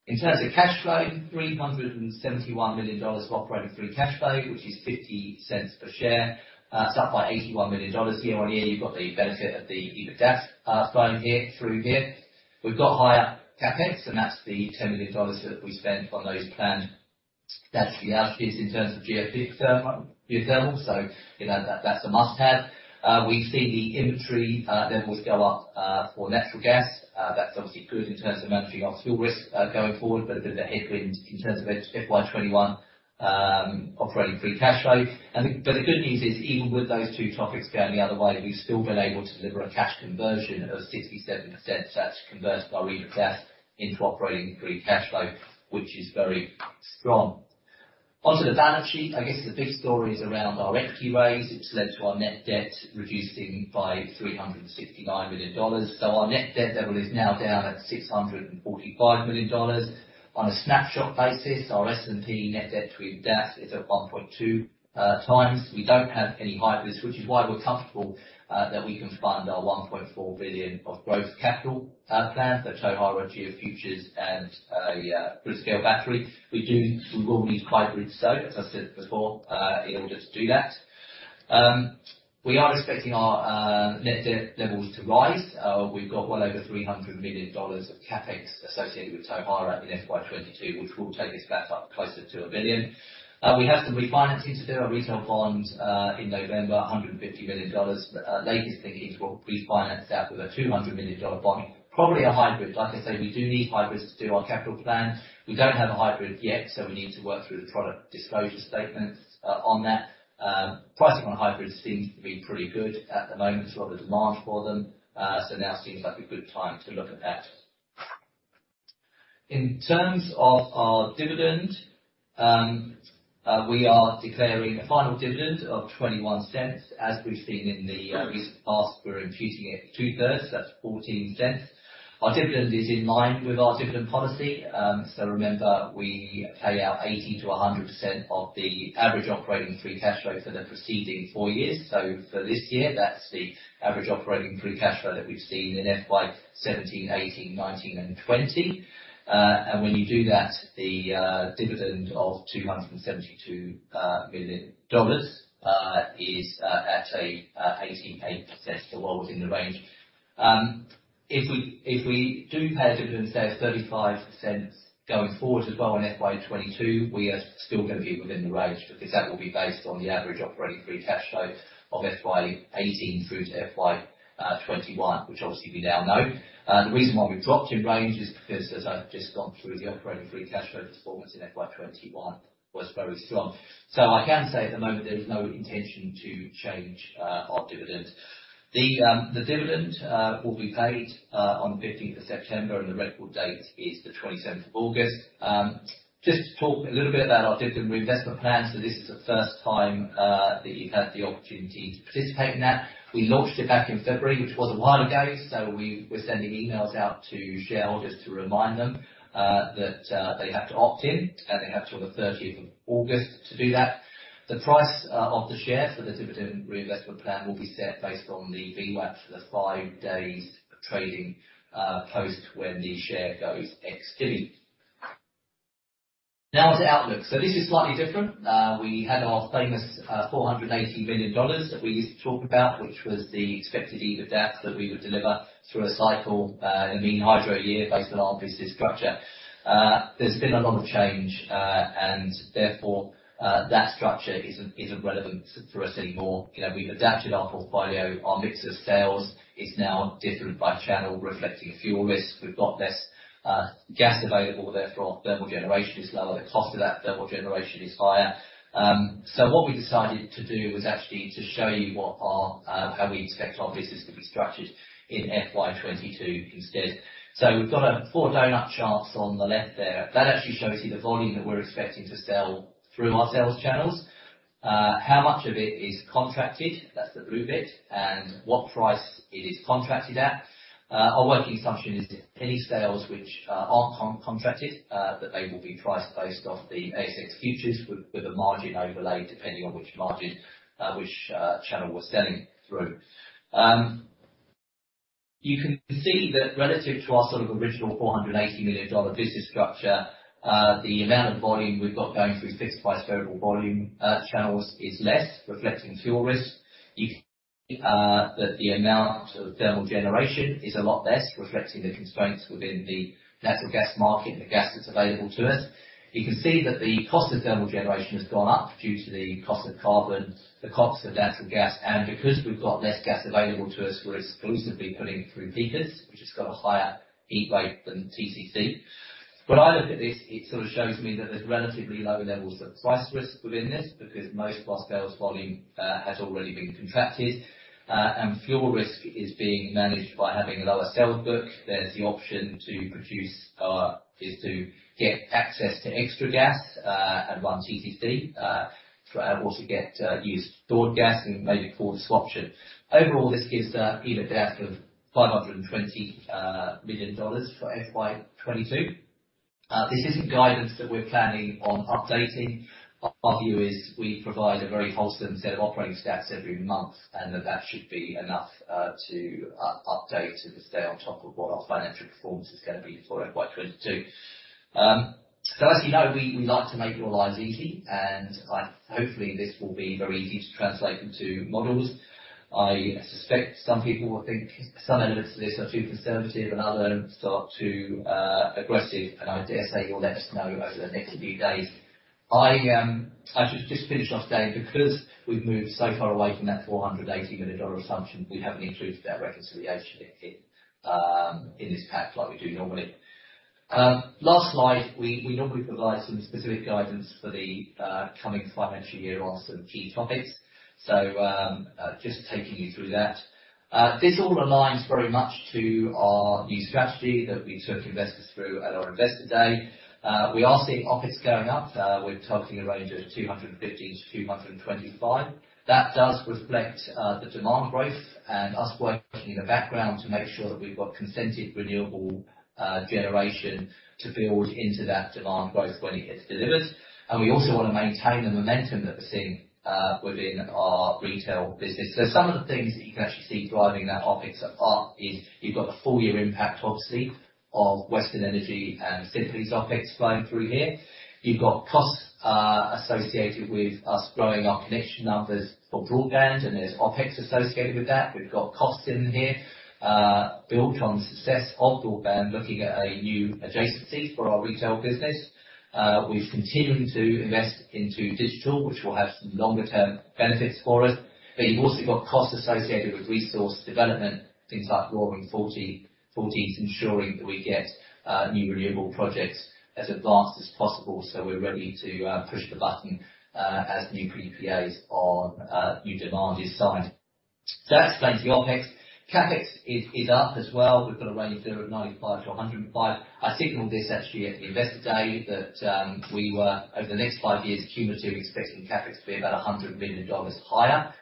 In terms of cash flow, $371 million of operating free cash flow, which is $0.50 per share. It's up by $81 million year-on-year. You've got the benefit of the EBITDA flowing through here. We've got higher CapEx, and that's the $10 million that we spent on those planned. That's the outlays in terms of geothermal. That's a must-have. We've seen the inventory levels go up for natural gas. That's obviously good in terms of managing our fuel risk going forward, but a bit of a headwind in terms of FY 2021 operating free cash flow. The good news is, even with those two topics going the other way, we've still been able to deliver a cash conversion of 67%. That's convert our EBITA into operating free cash flow, which is very strong. Onto the balance sheet. I guess the big story is around our equity raise, which led to our net debt reducing by $369 million. Our net debt level is now down at $645 million. On a snapshot basis, our S&P net debt to EBITDA is at 1.2x. We don't have any hybrids, which is why we're comfortable that we can fund our $1.4 billion of growth capital plans. Tauhara, GeoFuture, and grid-scale battery. We will need hybrids, though, as I said before, in order to do that. We are expecting our net debt levels to rise. We've got well over $300 million of CapEx associated with Tauhara in FY 2022, which will take us back up closer to $1 billion. We have some refinancing to do. Our retail bonds in November, $150 million. The latest thinking is we'll refinance that with a $200 million bond, probably a hybrid. Like I say, we do need hybrids to do our capital plan. We don't have a hybrid yet. We need to work through the product disclosure statements on that. Pricing on hybrids seems to be pretty good at the moment. There's a lot of demand for them. Now seems like a good time to look at that. In terms of our dividend, we are declaring a final dividend of $0.21. As we've seen in the recent past, we're imputing it 2/3, that's $0.14. Our dividend is in line with our dividend policy. Remember, we pay out 80%-100% of the average operating free cash flow for the preceding four years. For this year, that's the average operating free cash flow that we've seen in FY 2017, 2018, 2019, and 2020. When you do that, the dividend of $272 million is at 88%. Well within the range. If we do pay a dividend, say, at $0.35 going forward as well in FY 2022, we are still going to be within the range because that will be based on the average operating free cash flow of FY 2018 through to FY 2021, which obviously we now know. The reason why we've dropped in range is because, as I've just gone through the operating free cash flow performance in FY 2021 was very strong. I can say at the moment, there is no intention to change our dividend. The dividend will be paid on the September 15, and the record date is the August 27. Just to talk a little bit about our dividend reinvestment plan. This is the first time that you've had the opportunity to participate in that. We launched it back in February, which was a while ago, so we're sending emails out to shareholders to remind them that they have to opt in, and they have till the August 30 to do that. The price of the share for the dividend reinvestment plan will be set based on the VWAP for the five days of trading post when the share goes ex-dividend. To outlook. This is slightly different. We had our famous $480 million that we used to talk about, which was the expected EBITDA that we would deliver through a cycle in a mean hydro year based on our business structure. There's been a lot of change, and therefore, that structure isn't relevant for us anymore. We've adapted our portfolio. Our mix of sales is now different by channel, reflecting fuel risk. We've got less gas available therefore thermal generation is lower. The cost of that thermal generation is higher. What we decided to do was actually to show you how we expect our business to be structured in FY 2022 instead. We've got four donut charts on the left there. That actually shows you the volume that we're expecting to sell through our sales channels. How much of it is contracted, that's the blue bit, and what price it is contracted at. Our working assumption is any sales which aren't contracted, that they will be priced based off the ASX futures with a margin overlay, depending on which margin, which channel we're selling through. You can see that relative to our original $480 million business structure, the amount of volume we've got going through fixed price variable volume channels is less, reflecting fuel risk. You can see that the amount of thermal generation is a lot less, reflecting the constraints within the natural gas market and the gas that's available to us. You can see that the cost of thermal generation has gone up due to the cost of carbon, the cost of natural gas, and because we've got less gas available to us, we're exclusively putting it through peakers, which has got a higher heat rate than TCC. When I look at this, it shows me that there's relatively low levels of price risk within this because most of our sales volume has already been contracted. Fuel risk is being managed by having a lower sales book. There's the option to get access to extra gas and run TCC, or to get used stored gas and maybe call the swaption. Overall, this gives the EBITDA of $520 million for FY 2022. This isn't guidance that we're planning on updating. Our view is we provide a very wholesome set of operating stats every month, and that that should be enough to update and stay on top of what our financial performance is going to be for FY 2022. As you know, we like to make your lives easy, and hopefully this will be very easy to translate into models. I suspect some people will think some elements of this are too conservative and other elements are too aggressive. I dare say you'll let us know over the next few days. I should just finish off saying, because we've moved so far away from that $480 million assumption, we haven't included that reconciliation in this pack like we do normally. Last slide, we normally provide some specific guidance for the coming financial year on some key topics. Just taking you through that. This all aligns very much to our new strategy that we took investors through at our Investor Day. We are seeing OpEx going up. We're targeting a range of $250 million-$225 million. That does reflect the demand growth and us working in the background to make sure that we've got consented renewable generation to build into that demand growth when it gets delivered. We also want to maintain the momentum that we're seeing within our retail business. Some of the things that you can actually see driving that OpEx up is you've got the full year impact, obviously, of Western Energy and Simply Energy's OpEx flowing through here. You've got costs associated with us growing our connection numbers for broadband, and there's OpEx associated with that. We've got costs in here built on success of broadband, looking at a new adjacency for our retail business. We're continuing to invest into digital, which will have some longer term benefits for us. You've also got costs associated with resource development, things like Roaring Forties ensuring that we get new renewable projects as advanced as possible so we're ready to push the button as new PPAs or new demand is signed. That explains the OpEx. CapEx is up as well. We've got a range there of $95 million to $105 million. I signaled this actually at the Investor Day that we were over the next five years cumulative expecting CapEx to be about $100 million higher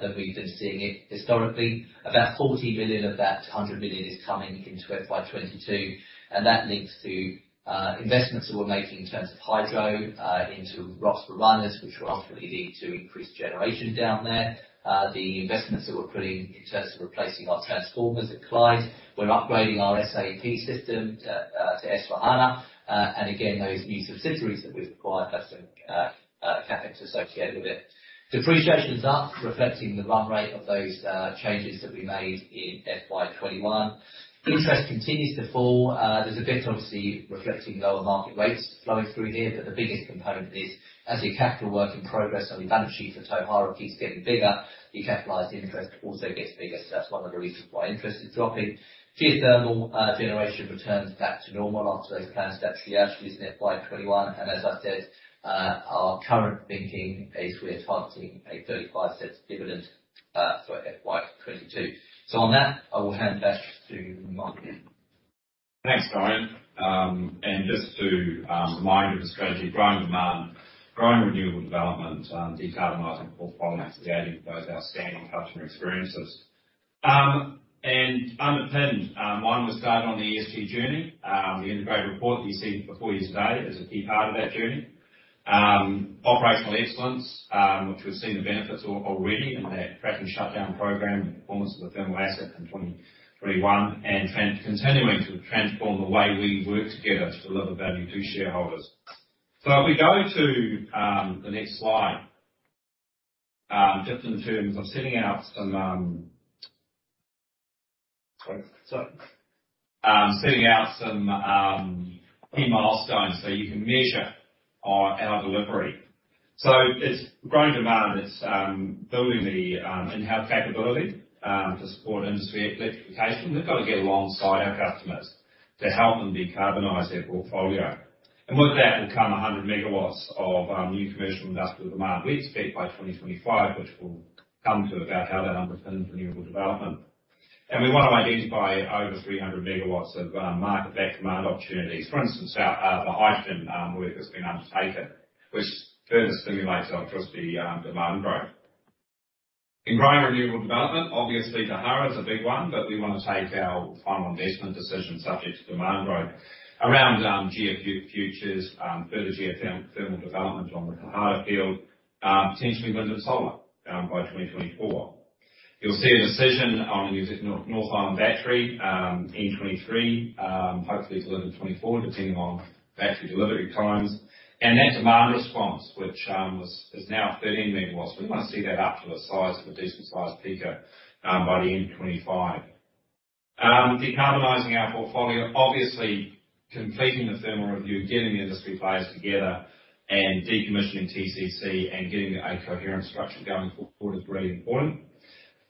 than we've been seeing it historically. About $40 million of that $100 million is coming in FY 2022. That links to investments that we're making in terms of hydro into [S/4HANA], which will ultimately lead to increased generation down there. The investments that we're putting in terms of replacing our transformers at Clyde. We're upgrading our SAP system to S/4HANA. Again, those new subsidiaries that we've acquired have some CapEx associated with it. Depreciation is up, reflecting the run rate of those changes that we made in FY 2021. Interest continues to fall. There's a bit obviously reflecting lower market rates flowing through here. The biggest component is as your capital work in progress on the balance sheet for Tauhara keeps getting bigger, your capitalized interest also gets bigger. That's one of the reasons why interest is dropping. Geothermal generation returns back to normal after those planned statutory outages in FY 2021. As I said, our current thinking is we're targeting a $0.35 dividend for FY 2022. On that, I will hand back to Mike. Thanks, Dorian. Just to remind you of the strategy, growing demand, growing renewable development, decarbonizing portfolio, and creating outstanding customer experiences. Underpinned, one, we started on the ESG journey. The integrated report that you've seen before you today is a key part of that journey. Operational excellence, which we've seen the benefits already in our crack and shutdown program and performance of the thermal asset in 2021, and continuing to transform the way we work together to deliver value to shareholders. If we go to the next slide, just in terms of setting out some key milestones so you can measure our delivery. It's growing demand, it's building the in-house capability, to support industry electrification. We've got to get alongside our customers to help them decarbonize their portfolio. With that will come 100 MW of new C&I demand we expect by 2025, which we'll come to about how that underpins renewable development. We want to identify over 300 MW of market-backed demand opportunities. For instance, the hydrogen work that's been undertaken, which further stimulates electricity demand growth. In growing renewable development, obviously, Tauhara is a big one, but we want to take our final investment decision subject to demand growth around GeoFuture, further geothermal development on the Tauhara field, potentially wind and solar, by 2024. You'll see a decision on New Zealand North Island Battery, in 2023, hopefully delivered in 2024, depending on battery delivery times. That demand response, which is now 13 MW, we want to see that up to the size of a decent-sized peaker, by the end of 2025. Decarbonizing our portfolio, obviously completing the thermal review, getting the industry players together and decommissioning TCC and getting a coherent structure going forward is really important.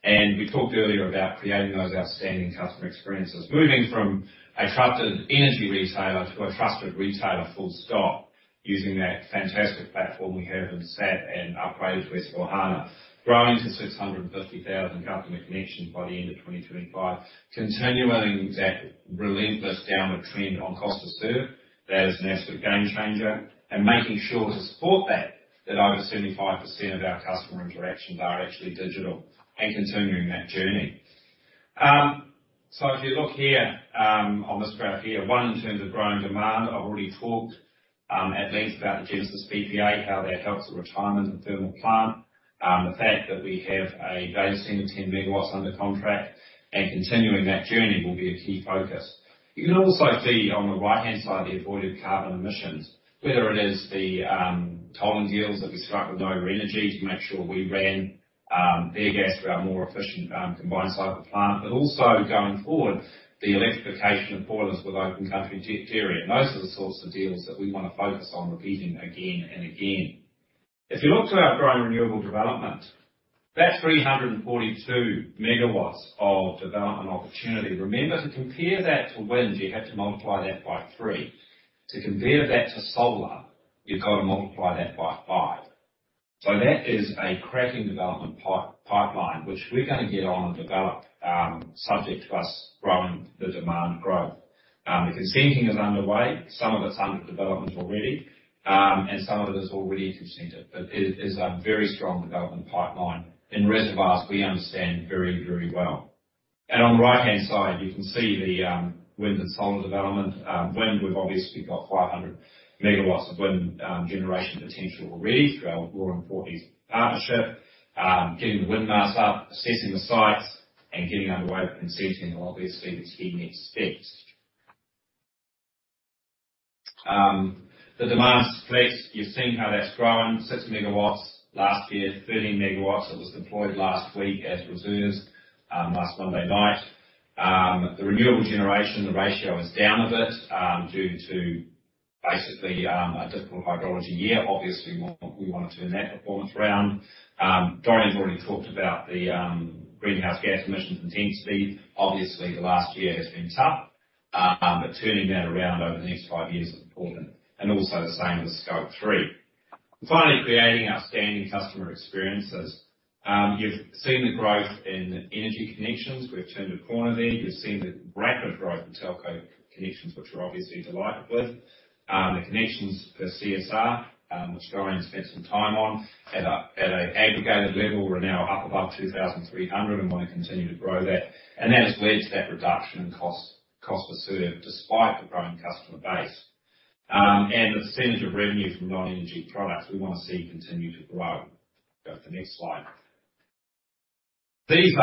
We talked earlier about creating those outstanding customer experiences. Moving from a trusted energy retailer to a trusted retailer full stop, using that fantastic platform we have in SAP and upgraded S/4HANA, growing to 650,000 customer connections by the end of 2025. Continuing that relentless downward trend on cost to serve, that is an absolute game changer, and making sure to support that over 75% of our customer interactions are actually digital and continuing that journey. If you look here, on this graph here, one, in terms of growing demand, I've already talked at length about the Genesis PPA, how that helps the retirement of the thermal plant. The fact that we have a data center, 10 MW under contract and continuing that journey will be a key focus. You can also see on the right-hand side the avoided carbon emissions, whether it is the tolling deals that we struck with Nova Energy to make sure we ran their gas through our more efficient combined cycle plant. Also going forward, the electrification of boilers with Open Country Dairy. Those are the sorts of deals that we want to focus on repeating again and again. If you look to our growing renewable development, that's 342 MW of development opportunity. Remember, to compare that to wind, you have to multiply that by three. To compare that to solar, you've got to multiply that by five. That is a cracking development pipeline, which we're going to get on and develop, subject to us growing the demand growth. Scoping is underway, some of it's under development already, and some of it is already consented, but it is a very strong development pipeline in reservoirs we understand very, very well. On the right-hand side, you can see the wind and solar development. Wind, we've obviously got 500 MW of wind generation potential already through our Roaring Forties partnership. Getting the wind mast up, assessing the sites, and getting underway with consenting are obviously the key next steps. The Demand Flex, you've seen how that's grown, 6 MW last year, 13 MW that was deployed last week as reserves last Monday night. The renewable generation, the ratio is down a bit, due to basically, a difficult hydrology year. Obviously, we want to turn that performance around. Dorian's already talked about the greenhouse gas emissions intensity. The last year has been tough. Turning that around over the next five years is important. Also the same with Scope 3. Finally, creating outstanding customer experiences. You've seen the growth in energy connections. We've turned a corner there. You've seen the rapid growth in telco connections, which we're obviously delighted with. The connections per CSR, which Dorian spent some time on at an aggregated level, we're now up above 2,300 and want to continue to grow that. That has led to that reduction in cost to serve despite the growing customer base. The percentage of revenue from non-energy products we want to see continue to grow. Go to the next slide. This is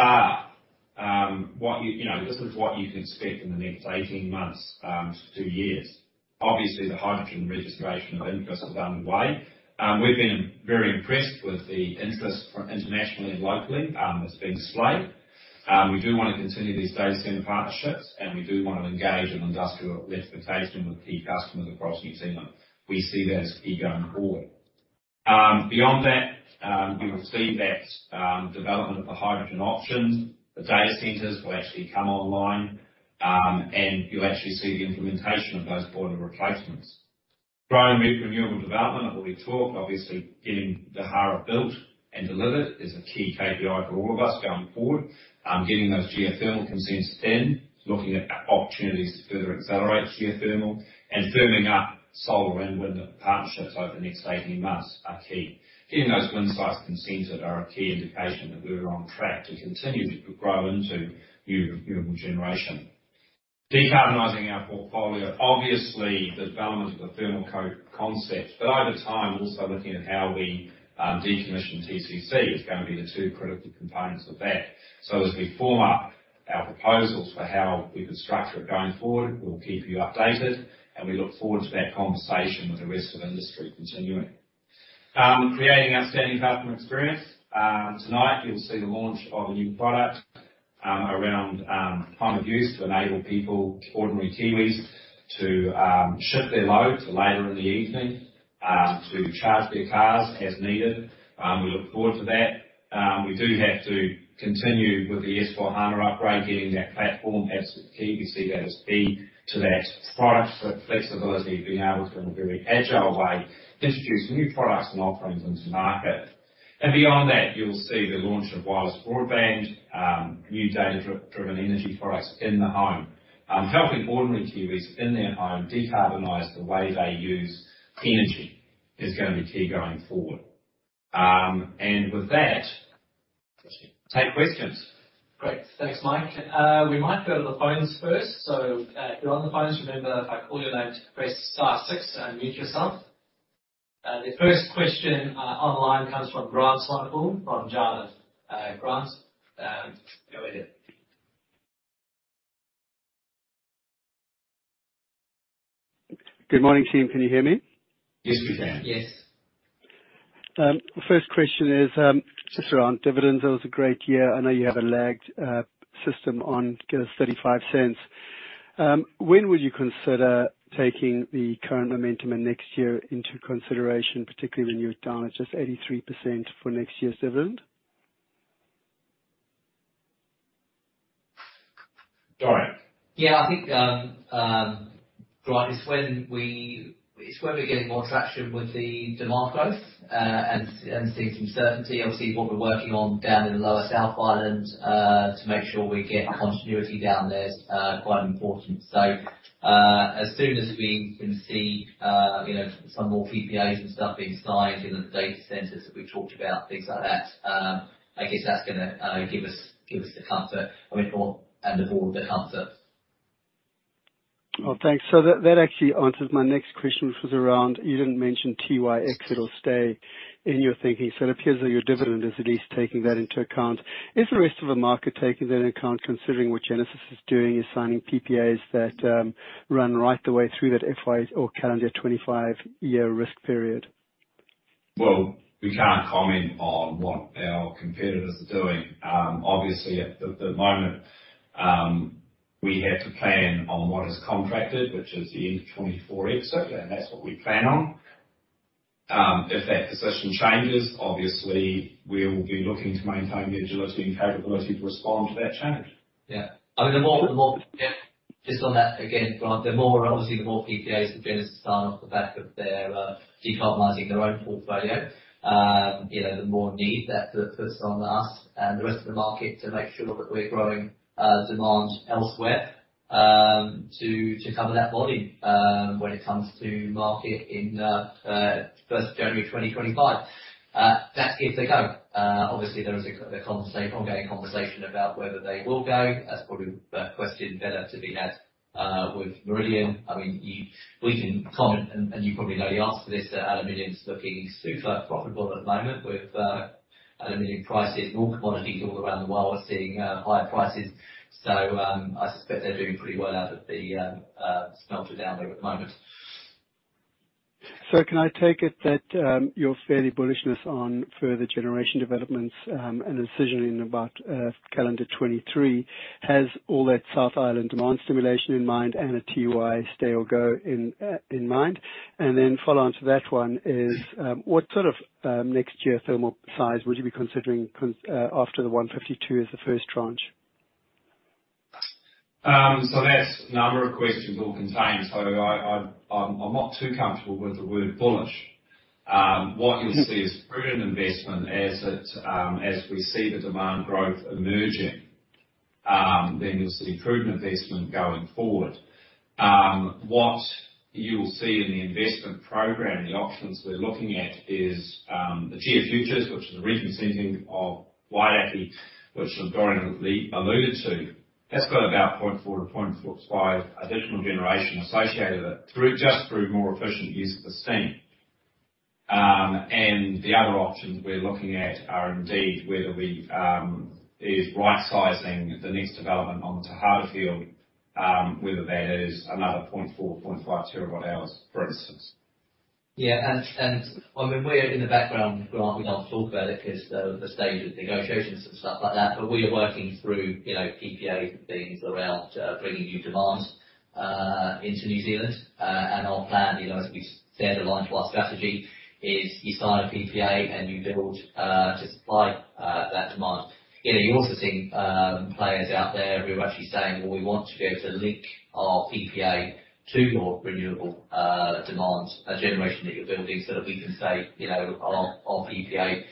what you can expect in the next 18 months to 2 years. The hydrogen registration of interest is underway. We've been very impressed with the interest internationally and locally that's been displayed. We do want to continue these data center partnerships, we do want to engage in industrial electrification with key customers across New Zealand. We see that as key going forward. Beyond that, you will see that development of the hydrogen options, the data centers will actually come online, you'll actually see the implementation of those boiler replacements. Growing renewable development. I've already talked, obviously, getting the Tauhara built and delivered is a key KPI for all of us going forward. Getting those geothermal consents thin, looking at opportunities to further accelerate geothermal, firming up solar and wind partnerships over the next 18 months are key. Getting those wind sites consented are a key indication that we're on track to continue to grow into new renewable generation. Decarbonizing our portfolio. The development of the thermal concept, but over time, also looking at how we decommission TCC is going to be the two critical components of that. As we form up our proposals for how we could structure it going forward, we'll keep you updated, and we look forward to that conversation with the rest of the industry continuing. Creating outstanding customer experience. Tonight, you'll see the launch of a new product around time of use to enable people, ordinary Kiwis, to shift their load to later in the evening to charge their cars as needed. We look forward to that. We do have to continue with the S/4HANA upgrade, getting that platform absolutely key. We see that as key to that product flexibility, being able to, in a very agile way, introduce new products and offerings into market. Beyond that, you'll see the launch of wireless broadband, new data-driven energy products in the home. Helping ordinary Kiwis in their home decarbonize the way they use energy is going to be key going forward. With that, take questions. Great. Thanks, Mike. We might go to the phones first. If you're on the phones, remember, if I call your name, press star six and unmute yourself. The first question online comes from Grant Swanepoel from Jarden. Grant, go ahead. Good morning, team. Can you hear me? Yes, we can. Yes. First question is just around dividends. That was a great year. I know you have a lagged system on, give us $0.35. When would you consider taking the current momentum and next year into consideration, particularly when you're down at just 83% for next year's dividend? Dorian? Yeah, I think, Grant, it's when we're getting more traction with the demand growth, and seeing some certainty. Obviously, what we're working on down in the lower South Island, to make sure we get continuity down there is quite important. As soon as we can see some more PPAs and stuff being signed in the data centers that we've talked about, things like that, I guess that's going to give us the comfort. I mean, or, and the board the comfort. Thanks. That actually answers my next question, which was around, you didn't mention Tiwai exit. It'll stay in your thinking. It appears that your dividend is at least taking that into account. Is the rest of the market taking that into account, considering what Genesis is doing, is signing PPAs that run right the way through that FY 2025 or calendar 2025-year risk period? Well, we can't comment on what our competitors are doing. Obviously, at the moment, we had to plan on what is contracted, which is the end of 2024 exit, and that's what we plan on. If that position changes, obviously, we will be looking to maintain the agility and capability to respond to that change. Just on that again, Grant, obviously, the more PPAs that Genesis sign off the back of their decarbonizing their own portfolio, the more need that puts on us and the rest of the market to make sure that we're growing demand elsewhere, to cover that volume, when it comes to market in, first of January 2025. That's if they go. Obviously, there is an ongoing conversation about whether they will go. That's probably a question better to be had with Meridian. You probably know the answer to this, that aluminum's looking super profitable at the moment with, aluminum prices and all commodities all around the world are seeing higher prices. I suspect they're doing pretty well out of the smelter down there at the moment. Can I take it that your fairly bullishness on further generation developments, and a decision in about calendar 2023 has all that South Island demand stimulation in mind and a Tiwai stay or go in mind? Follow on to that one is, what sort of next geothermal size would you be considering after the 152 as the first tranche? That's a number of questions all contained. I'm not too comfortable with the word bullish. What you'll see is prudent investment as we see the demand growth emerging. You'll see prudent investment going forward. What you'll see in the investment program, the options we're looking at is the GeoFuture, which is a reconsenting of Wairākei, which Dorian alluded to. That's got about 0.4 TWh-0.45 TWh additional generation associated with it just through more efficient use of the steam. The other options we're looking at are indeed whether is right-sizing the next development onto Tauhara field, whether that is another 0.4 TWh, 0.5 TWH, for instance. Yeah. We're in the background, Grant, we don't talk about it because the stage of negotiations and stuff like that, but we are working through PPA things around bringing new demands into New Zealand. Our plan, as we said, aligned to our strategy is you sign a PPA and you build to supply that demand. You're also seeing players out there who are actually saying, well, we want to be able to link our PPA to your renewable demands, generation that you're building so that we can say our PPA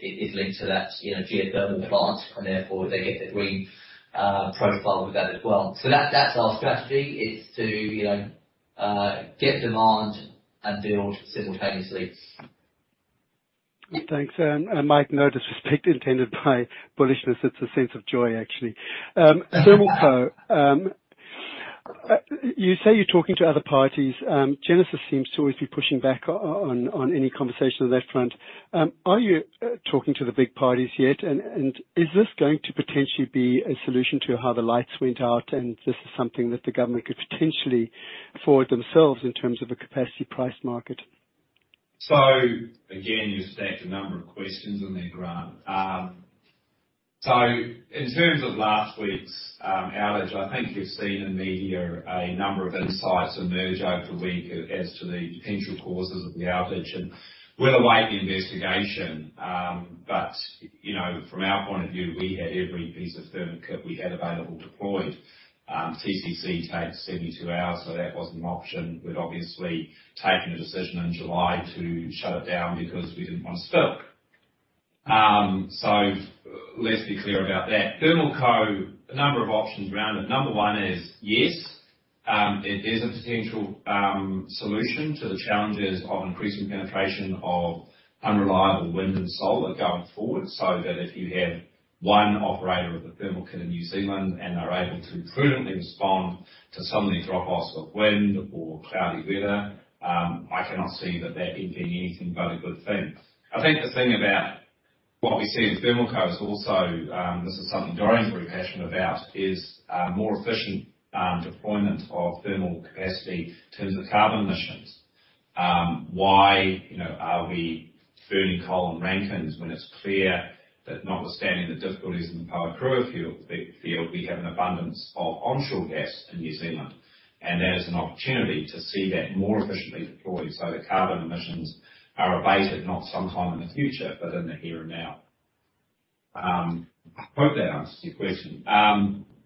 is linked to that geothermal plant, and therefore they get their green profile with that as well. That's our strategy is to get demand and build simultaneously. Thanks. Mike, no disrespect intended by bullishness. It's a sense of joy, actually. Thermal Co, you say you're talking to other parties. Genesis seems to always be pushing back on any conversation on that front. Are you talking to the big parties yet? Is this going to potentially be a solution to how the lights went out and this is something that the government could potentially afford themselves in terms of a capacity price market? Again, you stacked a number of questions in there, Grant. In terms of last week's outage, I think you've seen in the media a number of insights emerge over the week as to the potential causes of the outage. We're awaiting the investigation. From our point of view, we had every piece of thermal kit we had available deployed. TCC takes 72 hours, so that wasn't an option. We'd obviously taken a decision in July to shut it down because we didn't want to spill. Let's be clear about that. Thermal Co, a number of options around it. Number one is, yes, it is a potential solution to the challenges of increasing penetration of unreliable wind and solar going forward, so that if you have one operator with a thermal kit in New Zealand and are able to prudently respond to some of these drop-offs of wind or cloudy weather, I cannot see that being anything but a good thing. I think the thing about what we see with Thermal Co is also, this is something Dorian's very passionate about, is more efficient deployment of thermal capacity in terms of carbon emissions. Why are we burning coal in Rankine when it's clear that notwithstanding the difficulties in the Pohokura field, we have an abundance of onshore gas in New Zealand. That is an opportunity to see that more efficiently deployed so that carbon emissions are abated, not sometime in the future, but in the here and now. I hope that answers your question.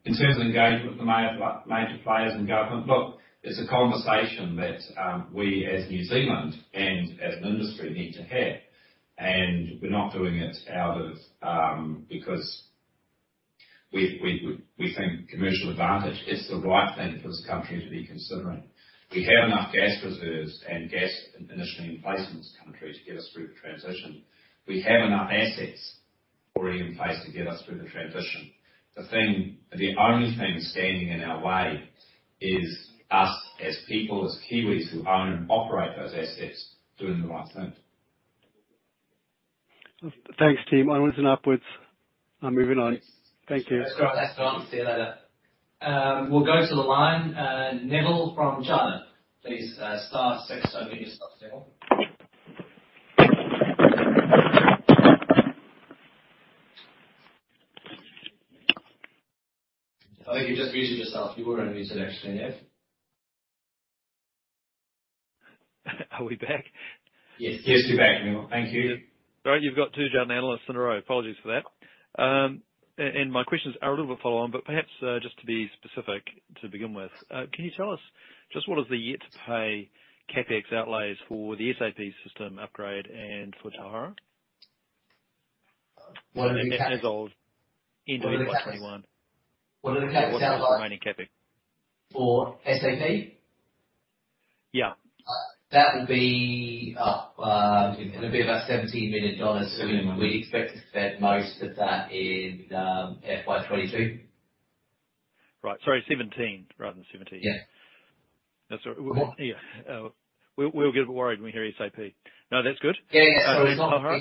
In terms of engagement with the major players in government, look, it's a conversation that we, as New Zealand and as an industry, need to have. We're not doing it because we think commercial advantage. It's the right thing for this country to be considering. We have enough gas reserves and gas initially in place in this country to get us through the transition. We have enough assets already in place to get us through the transition. The only thing standing in our way is us as people, as Kiwis' who own and operate those assets, doing the right thing. Thanks, team. Onwards and upwards. I'm moving on. Thank you. That's great. Thanks, Grant. See you later. We'll go to the line, Nevill from Jarden, please star six to unmute yourself, Nevill. I think you just muted yourself. You were on mute actually, yeah. Are we back? Yes, you're back, Nevill. Thank you. Right. You've got two Jarden Analysts in a row. Apologies for that. My questions are a little bit follow on, but perhaps just to be specific to begin with. Can you tell us just what is the yet to pay CapEx outlays for the SAP system upgrade and for Tauhara? What are the cap- As of end of 2021. What are the CapEx? What's the remaining CapEx? For SAP? Yeah. That will be, it'll be about $17 million. We expect to spend most of that in FY 2022. Right. Sorry, $17 million rather than [$17 million]. Yeah. We'll get a bit worried when we hear SAP. That's good. Yeah.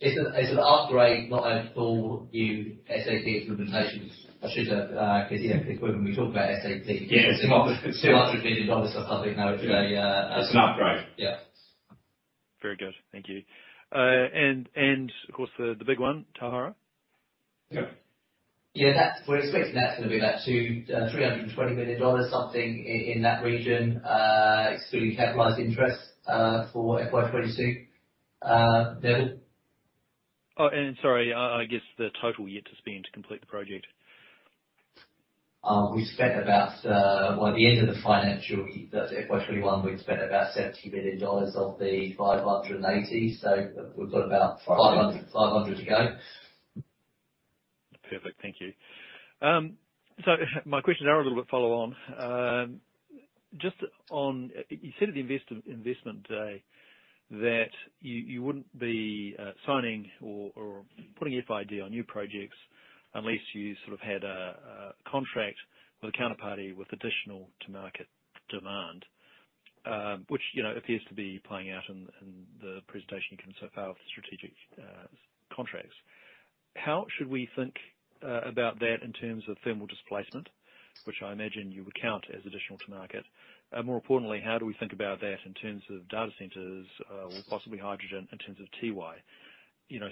It's an upgrade, not a full new SAP implementation. I should have [inaudible] $200 million or something. No, it's. It's an upgrade. Yeah. Very good. Thank you. Of course, the big one, Tauhara. Yeah. Yeah. We're expecting that's going to be about [$200 million-$320 million], something in that region, excluding capitalized interest, for FY 2022. Nevill? Oh, sorry, I guess the total yet to spend to complete the project. We spent about, by the end of the financial, that's FY 2021, we'd spent about $70 million of the $580 million. We've got about $500 million to go. Perfect. Thank you. My questions are a little bit follow on. You said at the investment day that you wouldn't be signing or putting FID on new projects unless you sort of had a contract with a counterparty with additional to market demand. Which appears to be playing out in the presentation you can so far with the strategic contracts. How should we think about that in terms of thermal displacement, which I imagine you would count as additional to market? More importantly, how do we think about that in terms of data centers or possibly hydrogen in terms of Tiwai?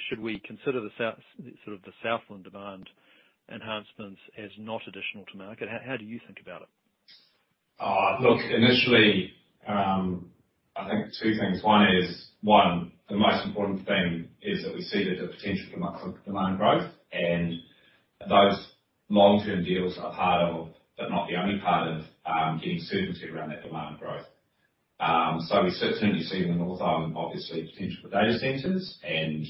Should we consider the sort of the Southland demand enhancements as not additional to market? How do you think about it? Look, initially, I think two things. One, the most important thing is that we see the potential for demand growth and those long-term deals are part of, but not the only part of, getting certainty around that demand growth. We certainly see the North Island obviously potential for data centers and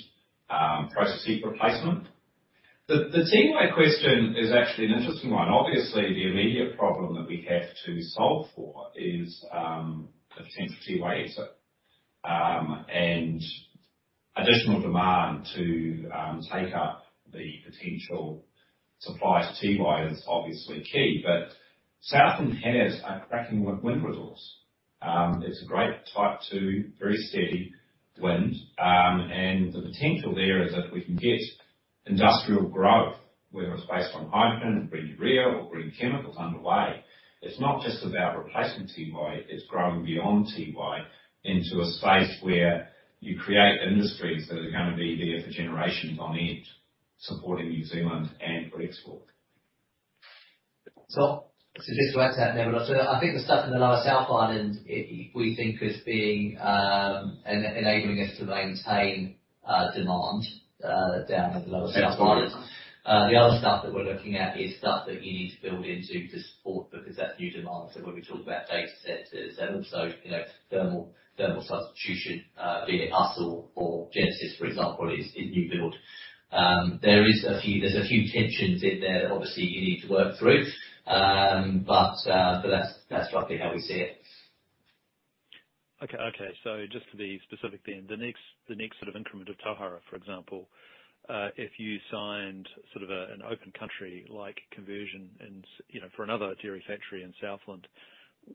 process heat replacement. The Tiwai question is actually an interesting one. Obviously, the immediate problem that we have to solve for is, the potential Tiwai exit, and additional demand to take up the potential supply to Tiwai is obviously key. Southland has a cracking wind resource. It's a great Class 2, very steady wind. The potential there is if we can get industrial growth, whether it's based on hydrogen and green urea or green chemicals underway, it's not just about replacing Tiwai, it's growing beyond Tiwai into a space where you create industries that are gonna be there for generations on end, supporting New Zealand and for export. Just to add to that, Nevill. I think the stuff in the lower South Island, we think is enabling us to maintain demand, down at the lower South Island. The other stuff that we're looking at is stuff that you need to build into to support because that's new demand. When we talk about data centers and also thermal substitution, be it us or Genesis, for example, is new build. There's a few tensions in there that obviously you need to work through. That's roughly how we see it. Okay. Just to be specific then, the next sort of increment of Tauhara, for example, if you signed sort of an Open Country-like conversion and for another dairy factory in Southland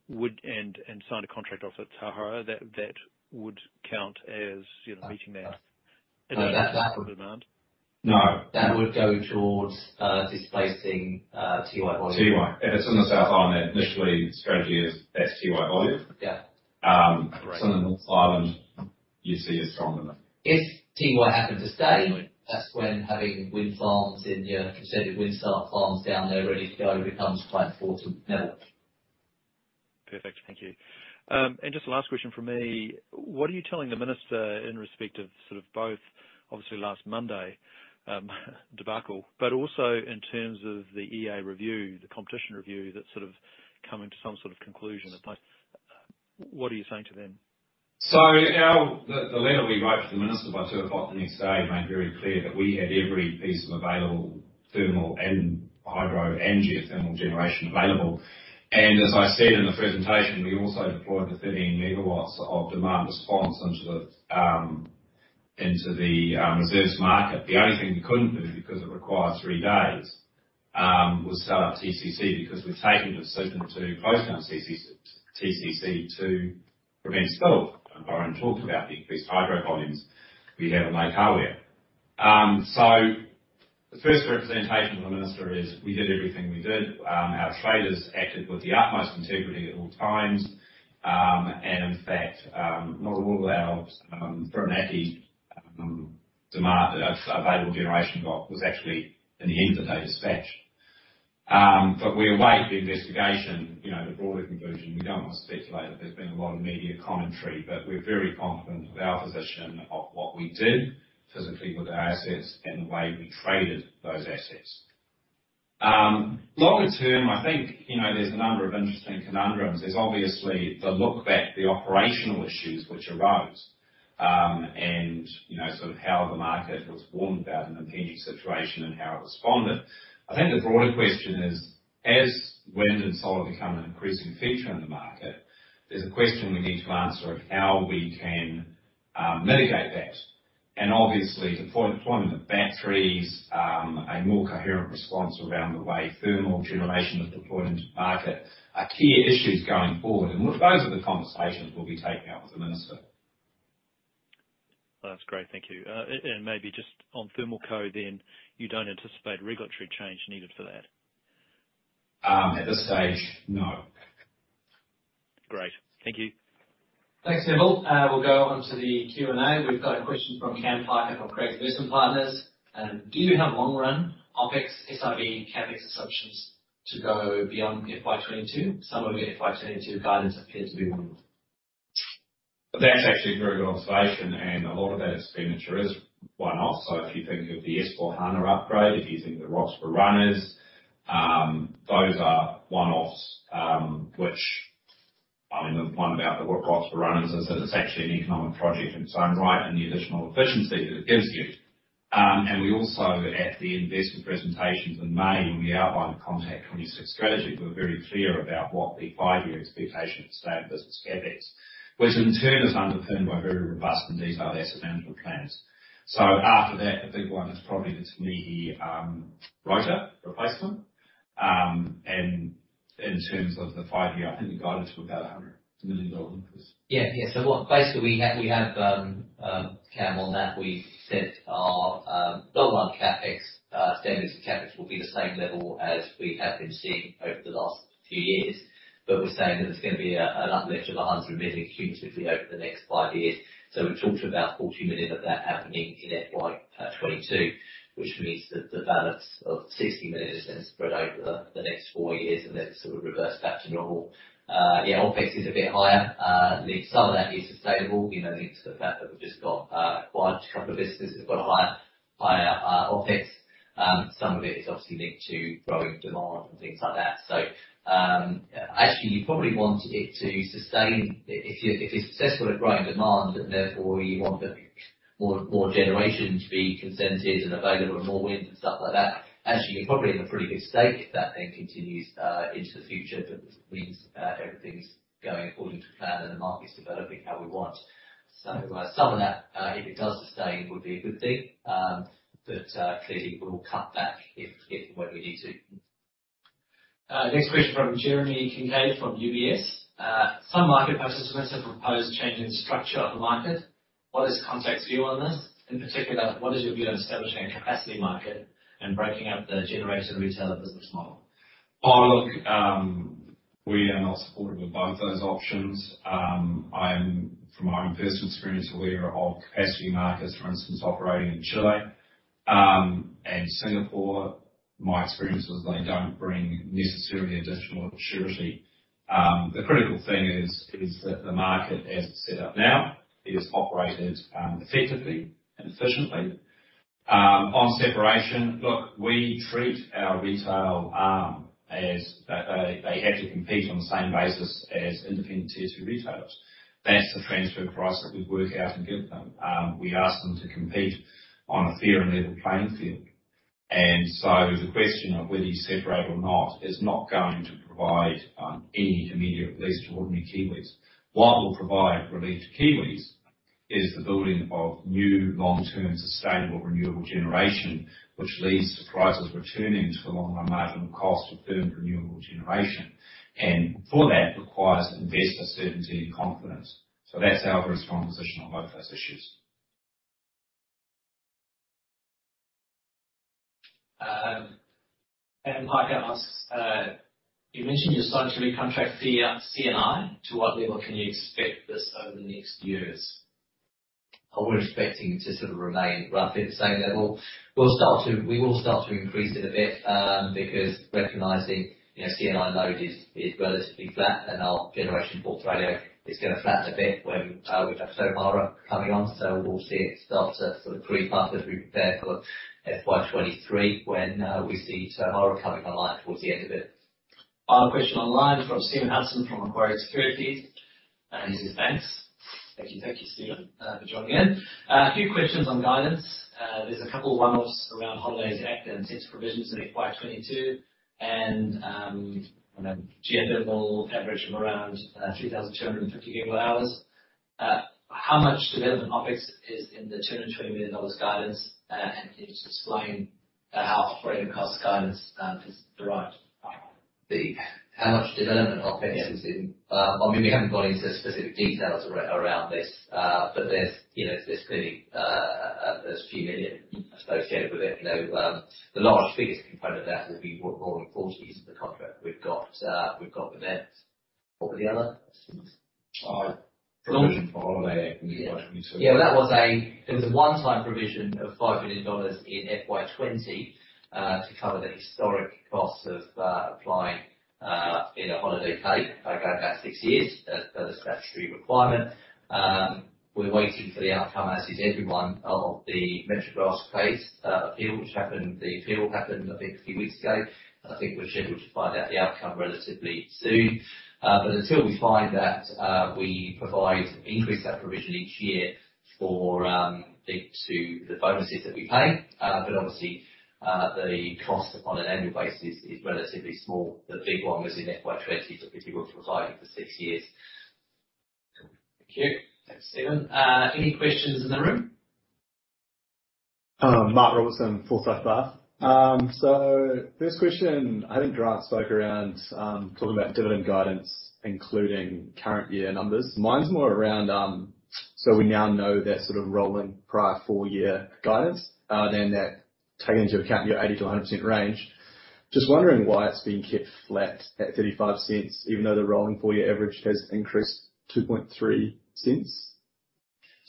and signed a contract off at Tauhara that would count as meeting that. No. Additional demand? No. That would go towards, displacing, Tiwai volume. Tiwai. If it's in the South Island, initially the strategy is that's Tiwai volume. Yeah. Some of the North Island you see as strong demand. If Tiwai happened to stay, that's when having wind farms in the consented wind farms down there ready to go becomes quite important, Nevill. Perfect. Thank you. Just the last question from me. What are you telling the Minister in respect of both obviously last Monday debacle, but also in terms of the EA review, the competition review that's sort of coming to some sort of conclusion at most? What are you saying to them? The letter we wrote to the minister by 2:00 PM the next day made very clear that we had every piece of available thermal and hydro and geothermal generation available. As I said in the presentation, we also deployed the 13 MW of demand response into the reserves market. The only thing we couldn't do, because it required three days, was start up TCC because we've taken the decision to close down TCC to prevent spill. Dorian talked about the increased hydro volumes we have in Lake Hāwea. The first representation of the Minister is we did everything we did. Our traders acted with the utmost integrity at all times. In fact, not all our Whirinaki demand that available generation got was actually in the end of the day dispatched. We await the investigation, the broader conclusion. We don't want to speculate. There's been a lot of media commentary, but we're very confident of our position of what we did physically with the assets and the way we traded those assets. Longer term, I think, there's a number of interesting conundrums. There's obviously the look back, the operational issues which arose, and sort of how the market was warned about an impending situation and how it responded. I think the broader question is, as wind and solar become an increasing feature in the market, there's a question we need to answer of how we can mitigate that. Obviously deployment of batteries, a more coherent response around the way thermal generation is deployed into the market are key issues going forward. Those are the conversations we'll be taking out with the minister. That's great. Thank you. Maybe just on Thermal Co then, you don't anticipate regulatory change needed for that? At this stage, no. Great. Thank you. Thanks, Nevill. We'll go on to the Q&A. We've got a question from Cam Parker from Craigs Investment Partners. Do you have long run OpEx, SIB, CapEx assumptions to go beyond FY 2022? Some of the FY 2022 guidance appears to be one-offs. That's actually a very good observation, a lot of that expenditure is one-off. If you think of the S/4HANA upgrade, if you think of the [Roxparaness], those are one-offs. The one about the [Roxparaness] is that it's actually an economic project in its own right and the additional efficiency that it gives you. We also at the investor presentations in May, when we outlined Contact26 strategy, we're very clear about what the five-year expectation of sustainable business CapEx, which in turn is underpinned by very robust and detailed asset management plans. After that, the big one is probably the Te Mihi rotor replacement. In terms of the five-year, I think the guidance was about $100 million increase. Yeah. Basically, we have, Cam, on that, we set our level 1 CapEx, standards of CapEx will be the same level as we have been seeing over the last few years. We're saying that there's going to be an uplift of $100 million cumulatively over the next five years. We've talked about $40 million of that happening in FY 2022, which means that the balance of $60 million is then spread over the next four years, and then sort of reverse back to normal. Yeah, OpEx is a bit higher. Some of that is sustainable, linked to the fact that we've just acquired a couple of businesses that got a higher OpEx. Some of it is obviously linked to growing demand and things like that. Actually you probably want it to sustain If you're successful at growing demand, and therefore you want more generation to be consented and available and more wind and stuff like that, actually you're probably in a pretty good state if that then continues into the future, but means everything's going according to plan and the market's developing how we want. some of that, if it does sustain, would be a good thing. clearly we'll cut back if and when we need to. Next question from Jeremy Kincaid from UBS. Some market participants have proposed changing the structure of the market. What is Contact's view on this? In particular, what is your view on establishing a capacity market and breaking up the generator retailer business model? Look, we are not supportive of both those options. From my own personal experience, aware of capacity markets, for instance, operating in Chile and Singapore. My experience is they don't bring necessarily additional surety. The critical thing is that the market as it's set up now, is operated effectively and efficiently. On separation, look, we treat our retail arm as they have to compete on the same basis as independent Tier 2 retailers. That's the transfer price that we work out and give them. We ask them to compete on a fair and level playing field. The question of whether you separate or not is not going to provide any immediate relief to ordinary Kiwis. What will provide relief to Kiwis is the building of new long-term sustainable renewable generation, which leads to prices returning to the long run marginal cost of firm renewable generation. For that requires investor certainty and confidence. That's our very strong position on both those issues. You mentioned your swaption contract C&I, to what level can you expect this over the next years? We're expecting it to sort of remain roughly the same level. We will start to increase it a bit, because recognizing C&I load is relatively flat and our generation portfolio is going to flatten a bit when we've got Tauhara coming on. We'll see it start to sort of creep up as we prepare for FY 2023 when we see Tauhara coming online towards the end of it. Final question online from Stephen Hudson, from Macquarie Securities. He says, thanks. Thank you, Stephen, for joining in. A few questions on guidance. There's a couple one-offs around Holidays Act and expense provisions in FY 2022 and, on a GM level average of around 3,250 GWh. How much development OpEx is in the $220 million guidance, and can you just explain how operating cost guidance is derived? How much development OpEx is in- Yeah. I mean, we haven't gone into specific details around this. There's clearly a few million associated with it. The largest, biggest component of that would be rolling forward the use of the contract. We've got the net. What were the other? Provision for holiday in FY 2022. Yeah. There was a one-time provision of $5 million in FY 2020 to cover the historic costs of applying in a Holiday Pay going back six years. That's a statutory requirement. We're waiting for the outcome, as is everyone, of the MetroGlass case appeal. The appeal happened I think a few weeks ago. I think we're scheduled to find out the outcome relatively soon. Until we find that, we provide increased provision each year linked to the bonuses that we pay. Obviously, the cost on an annual basis is relatively small. The big one was in FY 2020, people were providing for six years. Cool. Thank you. Thanks, Stephen. Any questions in the room? Mark Robertson, Forsyth Barr. First question, I think Grant spoke around, talking about dividend guidance, including current year numbers. Mine's more around, we now know that sort of rolling prior four-year guidance, then that taking into account your 80%-100% range. Just wondering why it's being kept flat at $0.35, even though the rolling four-year average has increased $0.023.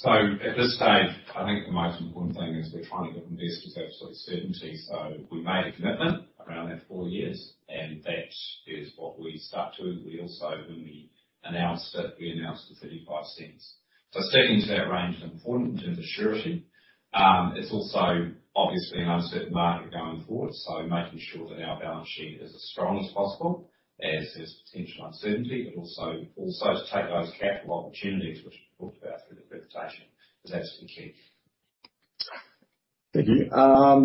At this stage, I think the most important thing is we're trying to give investors absolute certainty. We made a commitment around that four years, and that is what we stuck to. When we announced it, we announced the $0.35. Sticking to that range is important in terms of surety. It's also obviously an uncertain market going forward, so making sure that our balance sheet is as strong as possible as there's potential uncertainty, but also to take those capital opportunities, which we talked about through the presentation, is absolutely key. Thank you.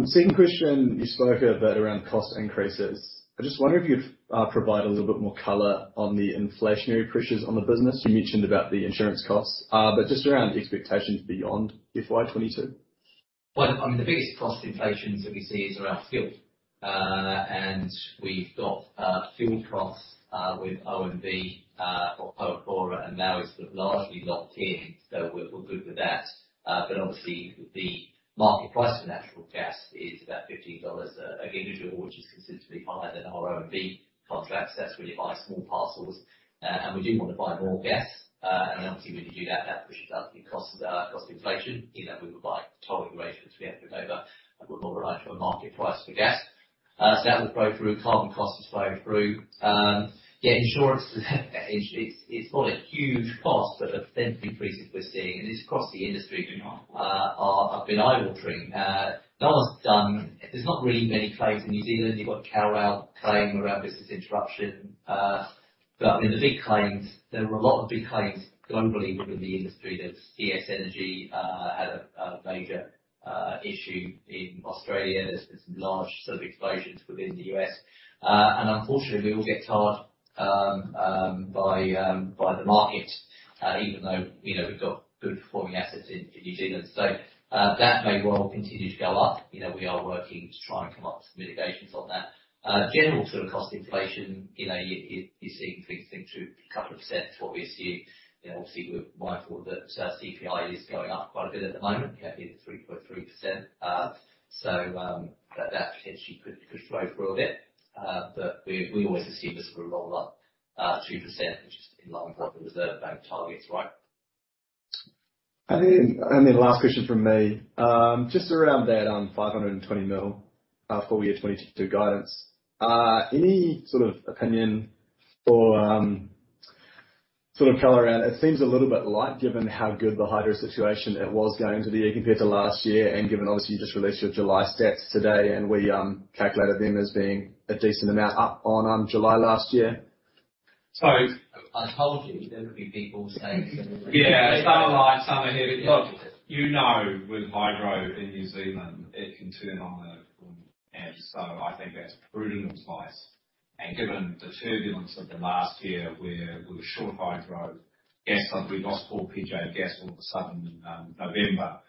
Second question, you spoke a bit around cost increases. I just wonder if you'd provide a little bit more color on the inflationary pressures on the business. You mentioned about the insurance costs. Just around expectations beyond FY 2022. The biggest cost inflations that we see is around fuel. We've got fuel costs with OMV, or Pohokura, and now it's sort of largely locked in, so we're good with that. Obviously, the market price for natural gas is about $15 a GJ, which is considerably higher than our OMV contracts. That's where you buy small parcels. We do want to buy more gas. Obviously, when you do that pushes up your cost inflation. We would buy total generation if we had to, but we're more reliant on market price for gas. That will flow through. Carbon cost is flowing through. Yeah, insurance it's not a huge cost, but the increases we're seeing, and it's across the industry, have been eye-watering. There's not really many claims in New Zealand. You've got [Cowra] claim around business interruption. In the big claims, there were a lot of big claims globally within the industry. There was CS Energy, had a major issue in Australia. There's been some large sort of explosions within the U.S. Unfortunately, we all get charged by the market, even though we've got good performing assets in New Zealand. That may well continue to go up. We are working to try and come up with mitigations on that. General sort of cost inflation, you're seeing things through a couple of percent is what we are seeing. Obviously, we're mindful that CPI is going up quite a bit at the moment. It's 3.3%. That potentially could flow through a bit. We always assume this will roll up 2%, which is in line with what the Reserve Bank targets, right. Last question from me, just around that $520 million FY 2022 guidance. Any sort of opinion or sort of color around it seems a little bit light given how good the hydro situation was going to be compared to last year, and given obviously you just released your July stats today and we calculated them as being a decent amount up on July last year? So- I told you there would be people saying similar things. Yeah. Some are light, some are heavy. Look, you know with hydro in New Zealand, it can turn on a dime. I think that's prudent advice. Given the turbulence of the last year where we were short hydro, we lost 4 PJ of gas all of a sudden in November.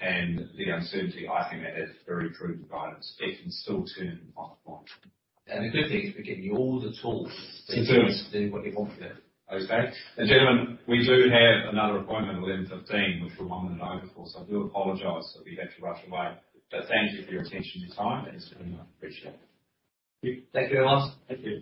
The uncertainty, I think that that's very prudent guidance. It can still turn on a dime. The good thing is we're giving you all the tools. To do it. To do what you want with it. Okay. Gentlemen, we do have another appointment at 11:15 A.M., which we're one minute over, so I do apologize that we have to rush away. Thank you for your attention and your time. It's been appreciated. Thank you. Thank you very much. Thank you.